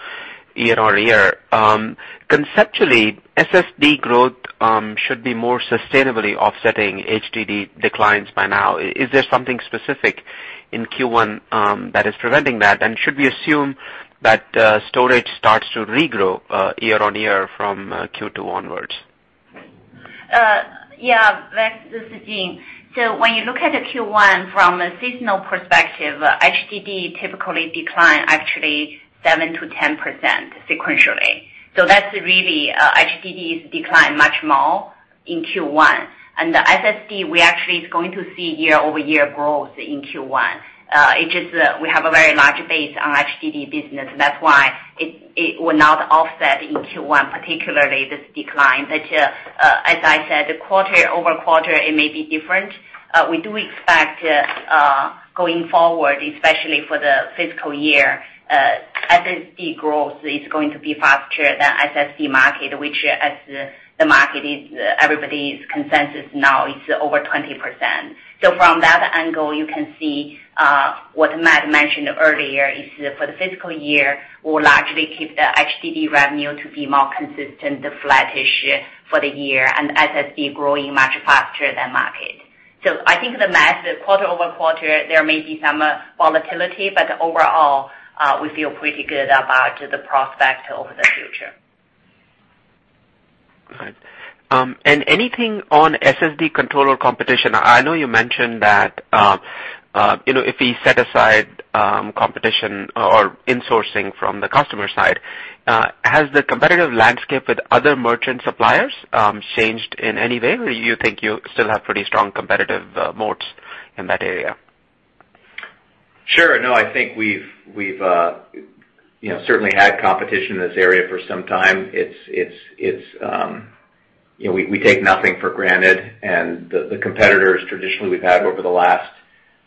year-on-year. Conceptually, SSD growth should be more sustainably offsetting HDD declines by now. Is there something specific in Q1 that is preventing that? Should we assume that storage starts to regrow year-on-year from Q2 onwards? Yeah. Vivek, this is Jean. When you look at the Q1 from a seasonal perspective, HDD typically decline actually 7%-10% sequentially. That's really HDD decline much more in Q1. The SSD, we actually is going to see year-over-year growth in Q1. It's just we have a very large base on HDD business. That's why it will not offset in Q1, particularly this decline. As I said, quarter-over-quarter, it may be different. We do expect going forward, especially for the fiscal year, SSD growth is going to be faster than SSD market, which as the market is everybody's consensus now, is over 20%. From that angle, you can see what Matt mentioned earlier is for the fiscal year, we'll largely keep the HDD revenue to be more consistent, flattish for the year and SSD growing much faster than market. I think the math, quarter-over-quarter, there may be some volatility, but overall, we feel pretty good about the prospect over the future. Got it. Anything on SSD controller competition? I know you mentioned that, if we set aside competition or insourcing from the customer side, has the competitive landscape with other merchant suppliers changed in any way? You think you still have pretty strong competitive moats in that area? Sure. No, I think we've certainly had competition in this area for some time. We take nothing for granted. The competitors traditionally we've had over the last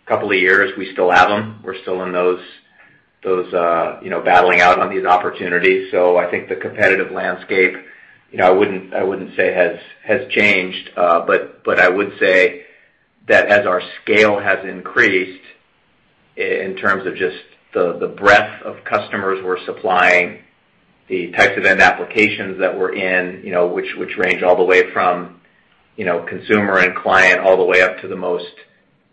couple of years, we still have them. We're still in those battling out on these opportunities. I think the competitive landscape, I wouldn't say has changed, but I would say that as our scale has increased in terms of just the breadth of customers we're supplying, the types of end applications that we're in, which range all the way from consumer and client all the way up to the most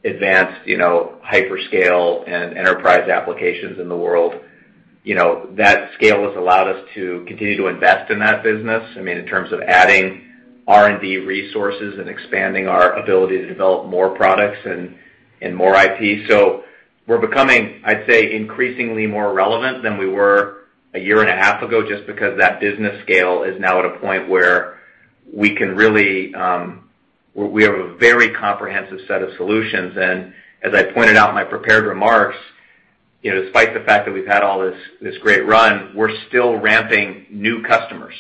advanced hyperscale and enterprise applications in the world. That scale has allowed us to continue to invest in that business, in terms of adding R&D resources and expanding our ability to develop more products and more IP. We're becoming, I'd say, increasingly more relevant than we were a year and a half ago just because that business scale is now at a point where we have a very comprehensive set of solutions. As I pointed out in my prepared remarks, despite the fact that we've had all this great run, we're still ramping new customers.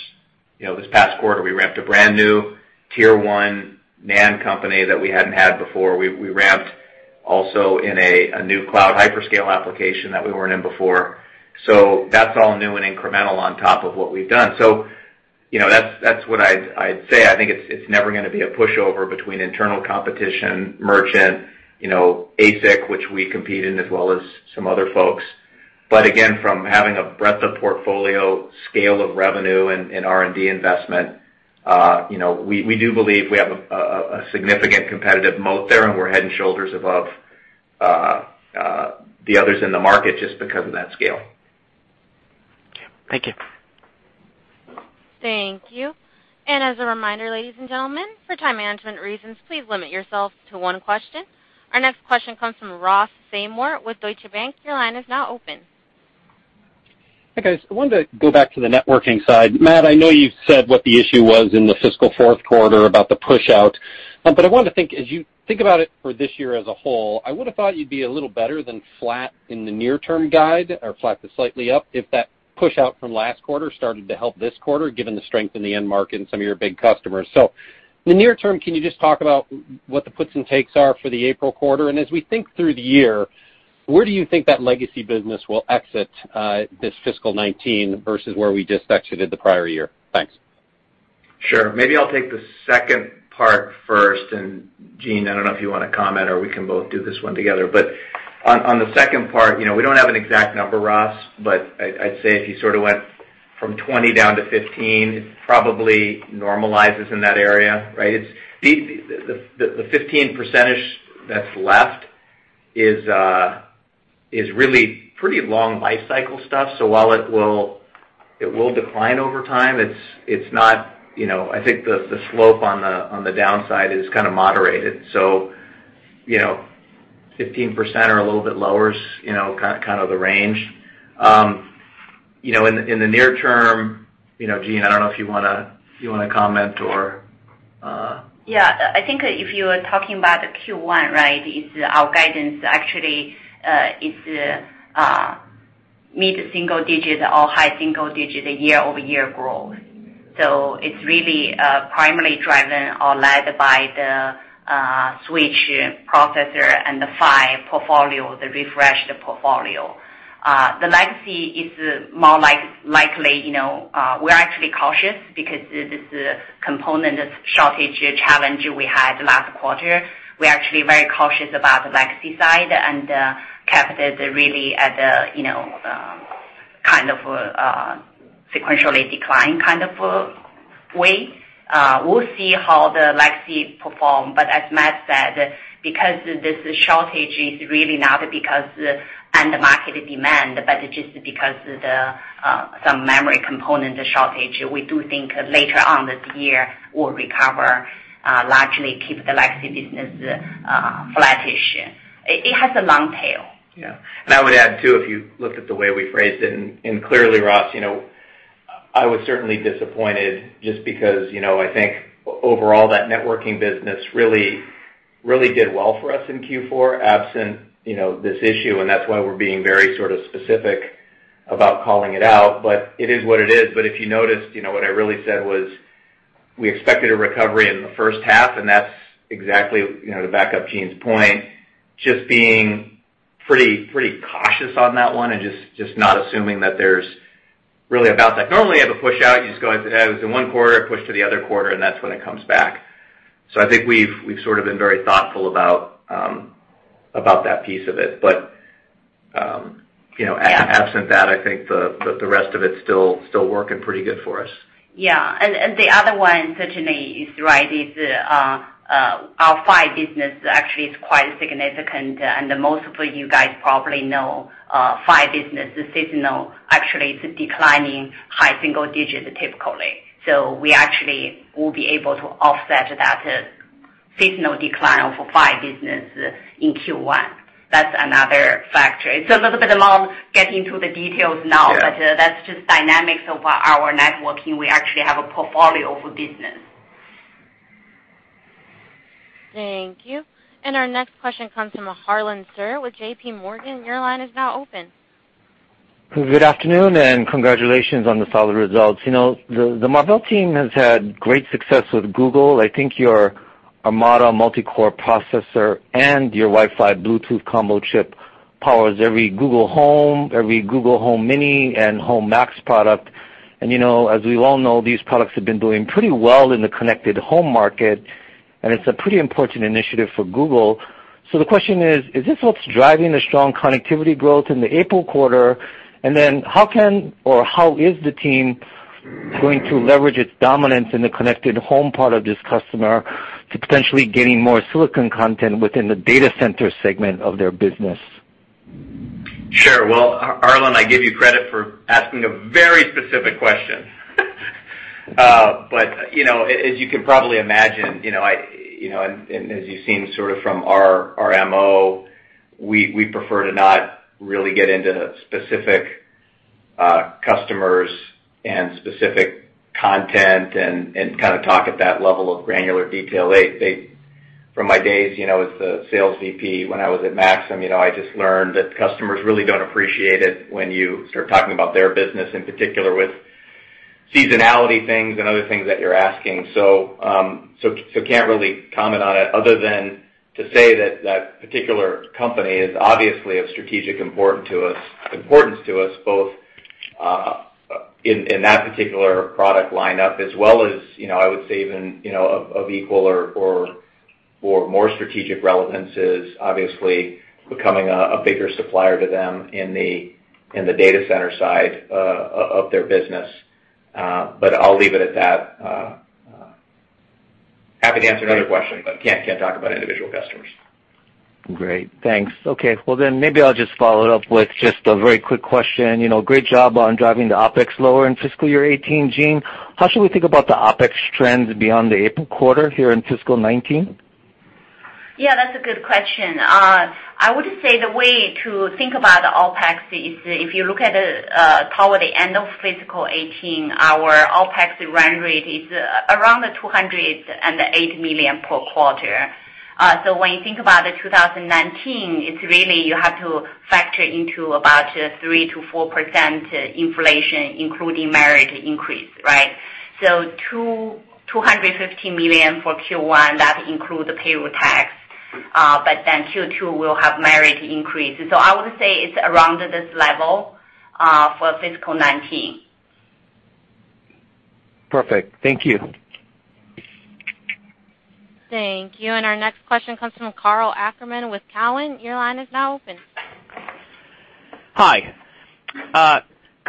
This past quarter, we ramped a brand-new tier 1 NAND company that we hadn't had before. We ramped also in a new cloud hyperscale application that we weren't in before. That's all new and incremental on top of what we've done. That's what I'd say. I think it's never going to be a pushover between internal competition, merchant, ASIC, which we compete in, as well as some other folks. Again, from having a breadth of portfolio, scale of revenue and R&D investment, we do believe we have a significant competitive moat there, and we're head and shoulders above the others in the market just because of that scale. Okay. Thank you. Thank you. As a reminder, ladies and gentlemen, for time management reasons, please limit yourself to one question. Our next question comes from Ross Seymore with Deutsche Bank. Your line is now open. Hi, guys. I wanted to go back to the networking side. Matt, I know you've said what the issue was in the fiscal fourth quarter about the pushout, I wanted to think, as you think about it for this year as a whole, I would have thought you'd be a little better than flat in the near-term guide or flat to slightly up if that pushout from last quarter started to help this quarter, given the strength in the end market and some of your big customers. In the near term, can you just talk about what the puts and takes are for the April quarter? As we think through the year, where do you think that legacy business will exit this fiscal 2019 versus where we just exited the prior year? Thanks. Sure. Maybe I'll take the second part first. Jean, I don't know if you want to comment or we can both do this one together. On the second part, we don't have an exact number, Ross, but I'd say if you sort of went from 20 down to 15, it probably normalizes in that area, right? The 15%-ish that's left is really pretty long lifecycle stuff. While it will decline over time. I think the slope on the downside is kind of moderated. 15% or a little bit lower is kind of the range. In the near term, Jean, I don't know if you want to comment or Yeah. I think if you are talking about the Q1, right? It's our guidance actually is mid-single digit or high single digit year-over-year growth. It's really primarily driven or led by the switch processor and the PHY portfolio, the refreshed portfolio. The legacy is more likely, we're actually cautious because this component shortage challenge we had last quarter, we're actually very cautious about the legacy side and kept it really at a kind of a sequentially decline kind of way. We'll see how the legacy perform, as Matt said, because this shortage is really not because the market demand, but it's just because of some memory component shortage, we do think later on this year will recover, largely keep the legacy business flattish. It has a long tail. I would add, too, if you look at the way we phrased it, clearly, Ross, I was certainly disappointed just because, I think overall that networking business really did well for us in Q4, absent this issue, and that's why we're being very sort of specific about calling it out, but it is what it is. If you noticed, what I really said was we expected a recovery in the first half, and that's exactly to back up Jean's point, just being pretty cautious on that one and just not assuming that there's really a bounce back. Normally you have a push out, it was in one quarter, it pushed to the other quarter, and that's when it comes back. I think we've sort of been very thoughtful about that piece of it. Absent that, I think the rest of it's still working pretty good for us. The other one certainly is right, is our PHY business actually is quite significant. Most of you guys probably know, PHY business is seasonal, actually it's declining high single digits typically. We actually will be able to offset that seasonal decline of PHY business in Q1. That's another factor. It's a little bit long getting to the details now. Yeah That's just dynamics of our networking. We actually have a portfolio for business. Thank you. Our next question comes from Harlan Sur with J.P. Morgan. Your line is now open. Good afternoon, congratulations on the solid results. The Marvell team has had great success with Google. I think your ARMADA multi-core processor and your Wi-Fi Bluetooth combo chip powers every Google Home, every Google Home Mini, and Google Home Max product. As we all know, these products have been doing pretty well in the connected home market, and it's a pretty important initiative for Google. The question is this what's driving the strong connectivity growth in the April quarter? How can or how is the team going to leverage its dominance in the connected home part of this customer to potentially gaining more silicon content within the data center segment of their business? Sure. Well, Harlan, I give you credit for asking a very specific question. As you can probably imagine, and as you've seen sort of from our MO, we prefer to not really get into specific customers and specific content and kind of talk at that level of granular detail. From my days as the sales VP when I was at Maxim, I just learned that customers really don't appreciate it when you start talking about their business, in particular with seasonality things and other things that you're asking. Can't really comment on it other than to say that that particular company is obviously of strategic importance to us, both in that particular product lineup as well as, I would say even of equal or more strategic relevance is obviously becoming a bigger supplier to them in the data center side of their business. I'll leave it at that. Happy to answer another question, but can't talk about individual customers. Great. Thanks. Okay. Well, then maybe I'll just follow it up with just a very quick question. Great job on driving the OpEx lower in fiscal year 2018, Jean. How should we think about the OpEx trends beyond the April quarter here in fiscal 2019? Yeah, that's a good question. I would say the way to think about OpEx is if you look at toward the end of fiscal 2018, our OpEx run rate is around the $208 million per quarter. When you think about the 2019, it's really you have to factor into about 3%-4% inflation, including merit increase, right? $215 million for Q1, that includes the payroll tax, Q2 will have merit increase. I would say it's around this level, for fiscal 2019. Perfect. Thank you. Thank you. Our next question comes from Karl Ackerman with Cowen. Your line is now open. Hi.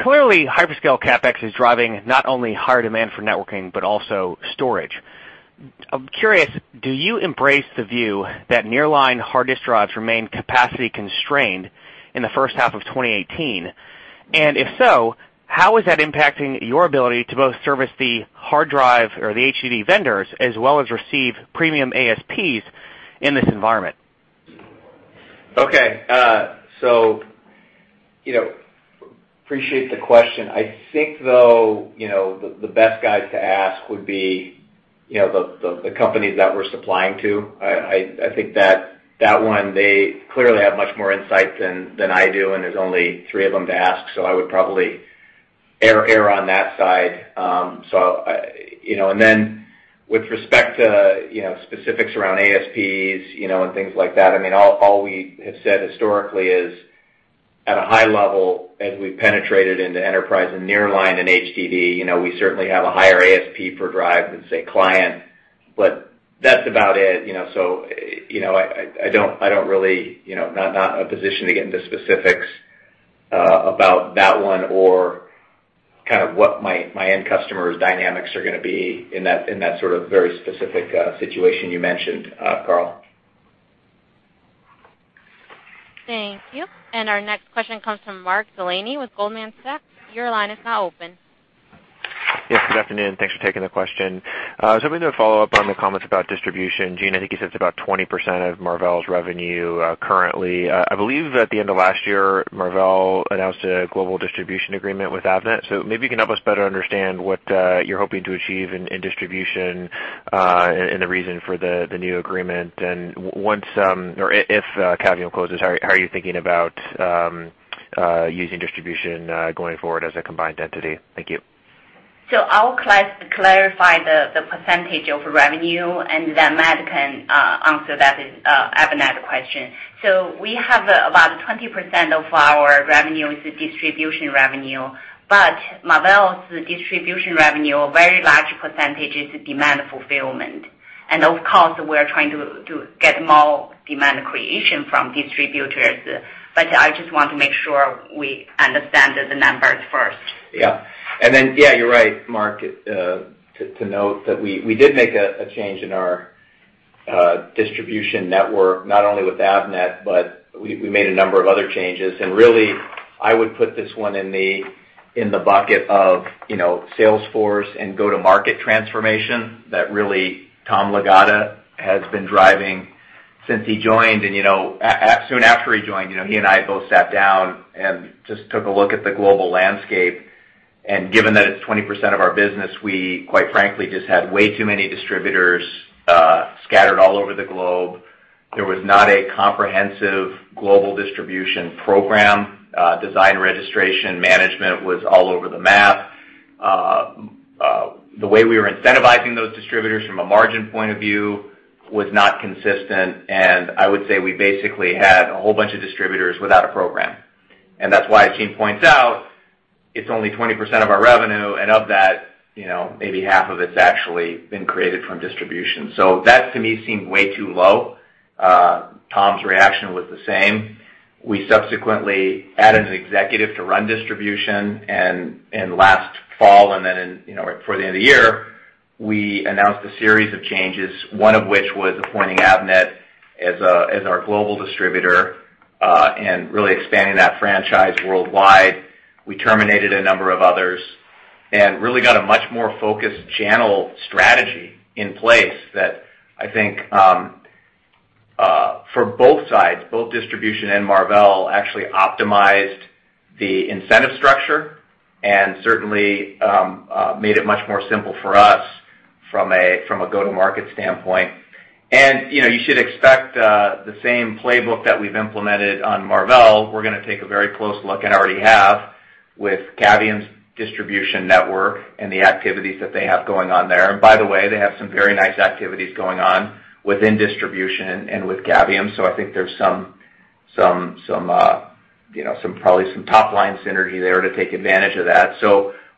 Clearly hyperscale CapEx is driving not only higher demand for networking, but also storage. I'm curious, do you embrace the view that nearline hard disk drives remain capacity-constrained in the first half of 2018? If so, how is that impacting your ability to both service the hard drive or the HDD vendors as well as receive premium ASPs in this environment? Appreciate the question. I think though, the best guys to ask would be the companies that we're supplying to. I think that one, they clearly have much more insight than I do, and there's only three of them to ask. I would probably err on that side. With respect to specifics around ASPs and things like that, all we have said historically is at a high level, as we've penetrated into enterprise and nearline and HDD. We certainly have a higher ASP per drive than, say, client, but that's about it. Not in a position to get into specifics about that one or kind of what my end customer's dynamics are going to be in that sort of very specific situation you mentioned, Karl. Thank you. Our next question comes from Mark Delaney with Goldman Sachs. Your line is now open. Yes. Good afternoon. Thanks for taking the question. Just hoping to follow up on the comments about distribution. Jean, I think you said it's about 20% of Marvell's revenue currently. I believe at the end of last year, Marvell announced a global distribution agreement with Avnet. Maybe you can help us better understand what you're hoping to achieve in distribution and the reason for the new agreement, and once or if Cavium closes, how are you thinking about using distribution going forward as a combined entity? Thank you. I'll clarify the percentage of revenue, and then Matt can answer that Avnet question. We have about 20% of our revenue is distribution revenue, but Marvell's distribution revenue, a very large percentage is demand fulfillment. Of course, we are trying to get more demand creation from distributors, but I just want to make sure we understand the numbers first. You're right, Mark, to note that we did make a change in our distribution network, not only with Avnet, but we made a number of other changes. Really, I would put this one in the bucket of sales force and go-to-market transformation that really Tom Lagatta has been driving since he joined. Soon after he joined, he and I both sat down and just took a look at the global landscape. Given that it's 20% of our business, we quite frankly just had way too many distributors scattered all over the globe. There was not a comprehensive global distribution program. Design registration management was all over the map. The way we were incentivizing those distributors from a margin point of view was not consistent, and I would say we basically had a whole bunch of distributors without a program. That's why Jean points out it's only 20% of our revenue, and of that, maybe half of it's actually been created from distribution. That, to me, seemed way too low. Tom's reaction was the same. We subsequently added an executive to run distribution, last fall, then before the end of the year, we announced a series of changes, one of which was appointing Avnet as our global distributor and really expanding that franchise worldwide. We terminated a number of others and really got a much more focused channel strategy in place that I think for both sides, both distribution and Marvell, actually optimized the incentive structure and certainly made it much more simple for us from a go-to-market standpoint. You should expect the same playbook that we've implemented on Marvell, we're going to take a very close look, and already have, with Cavium's distribution network and the activities that they have going on there. By the way, they have some very nice activities going on within distribution and with Cavium. I think there's probably some top-line synergy there to take advantage of that.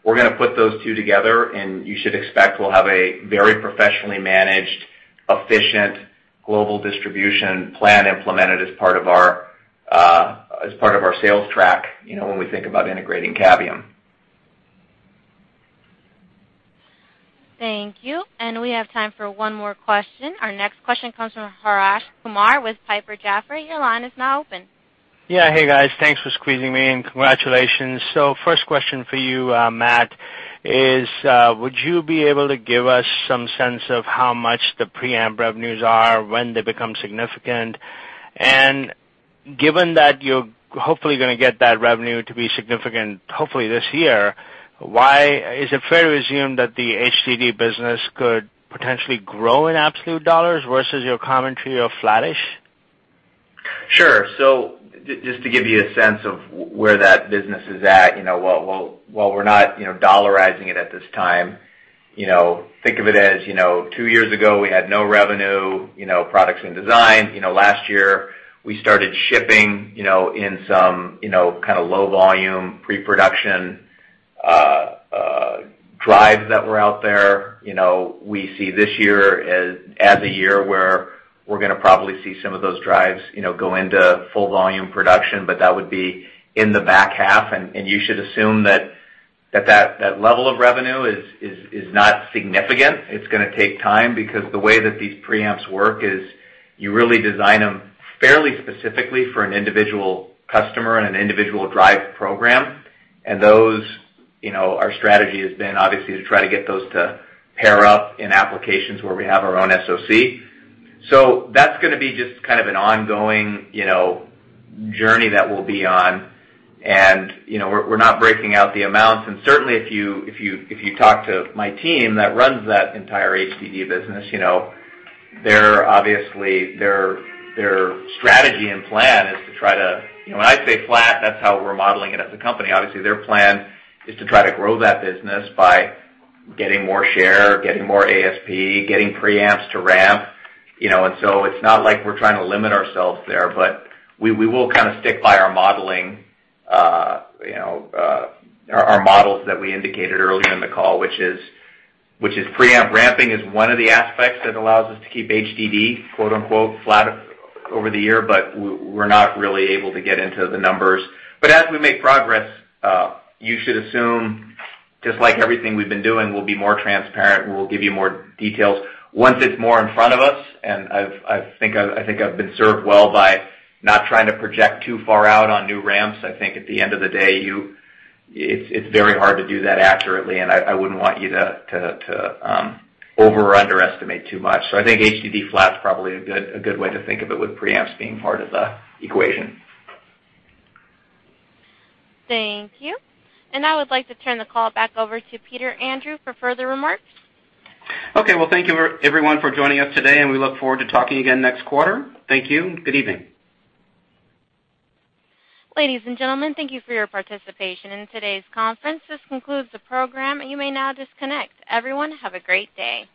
We're going to put those two together, you should expect we'll have a very professionally managed, efficient global distribution plan implemented as part of our sales track when we think about integrating Cavium. Thank you. We have time for one more question. Our next question comes from Harsh Kumar with Piper Jaffray. Your line is now open. Yeah. Hey, guys. Thanks for squeezing me in. Congratulations. First question for you, Matt, is would you be able to give us some sense of how much the preamp revenues are, when they become significant? Given that you're hopefully going to get that revenue to be significant hopefully this year, is it fair to assume that the HDD business could potentially grow in absolute dollars versus your commentary of flattish? Sure. Just to give you a sense of where that business is at, while we're not dollarizing it at this time, think of it as two years ago, we had no revenue, products in design. Last year, we started shipping in some kind of low volume pre-production drives that were out there. We see this year as a year where we're going to probably see some of those drives go into full volume production, but that would be in the back half, and you should assume that that level of revenue is not significant. It's going to take time because the way that these preamps work is you really design them fairly specifically for an individual customer and an individual drive program. Our strategy has been obviously to try to get those to pair up in applications where we have our own SOC. That's going to be just kind of an ongoing journey that we'll be on, and we're not breaking out the amounts. Certainly if you talk to my team that runs that entire HDD business, obviously their strategy and plan is to try to-- when I say flat, that's how we're modeling it as a company. Obviously, their plan is to try to grow that business by getting more share, getting more ASP, getting preamps to ramp. It's not like we're trying to limit ourselves there, but we will kind of stick by our models that we indicated earlier in the call, which is preamp ramping is one of the aspects that allows us to keep HDD "flat" over the year. We're not really able to get into the numbers. As we make progress, you should assume, just like everything we've been doing, we'll be more transparent. We'll give you more details once it's more in front of us. I think I've been served well by not trying to project too far out on new ramps. I think at the end of the day, it's very hard to do that accurately, and I wouldn't want you to over or underestimate too much. I think HDD flat's probably a good way to think of it with preamps being part of the equation. Thank you. Now I would like to turn the call back over to Peter Andrew for further remarks. Okay. Well, thank you everyone for joining us today, and we look forward to talking again next quarter. Thank you. Good evening. Ladies and gentlemen, thank you for your participation in today's conference. This concludes the program. You may now disconnect. Everyone, have a great day.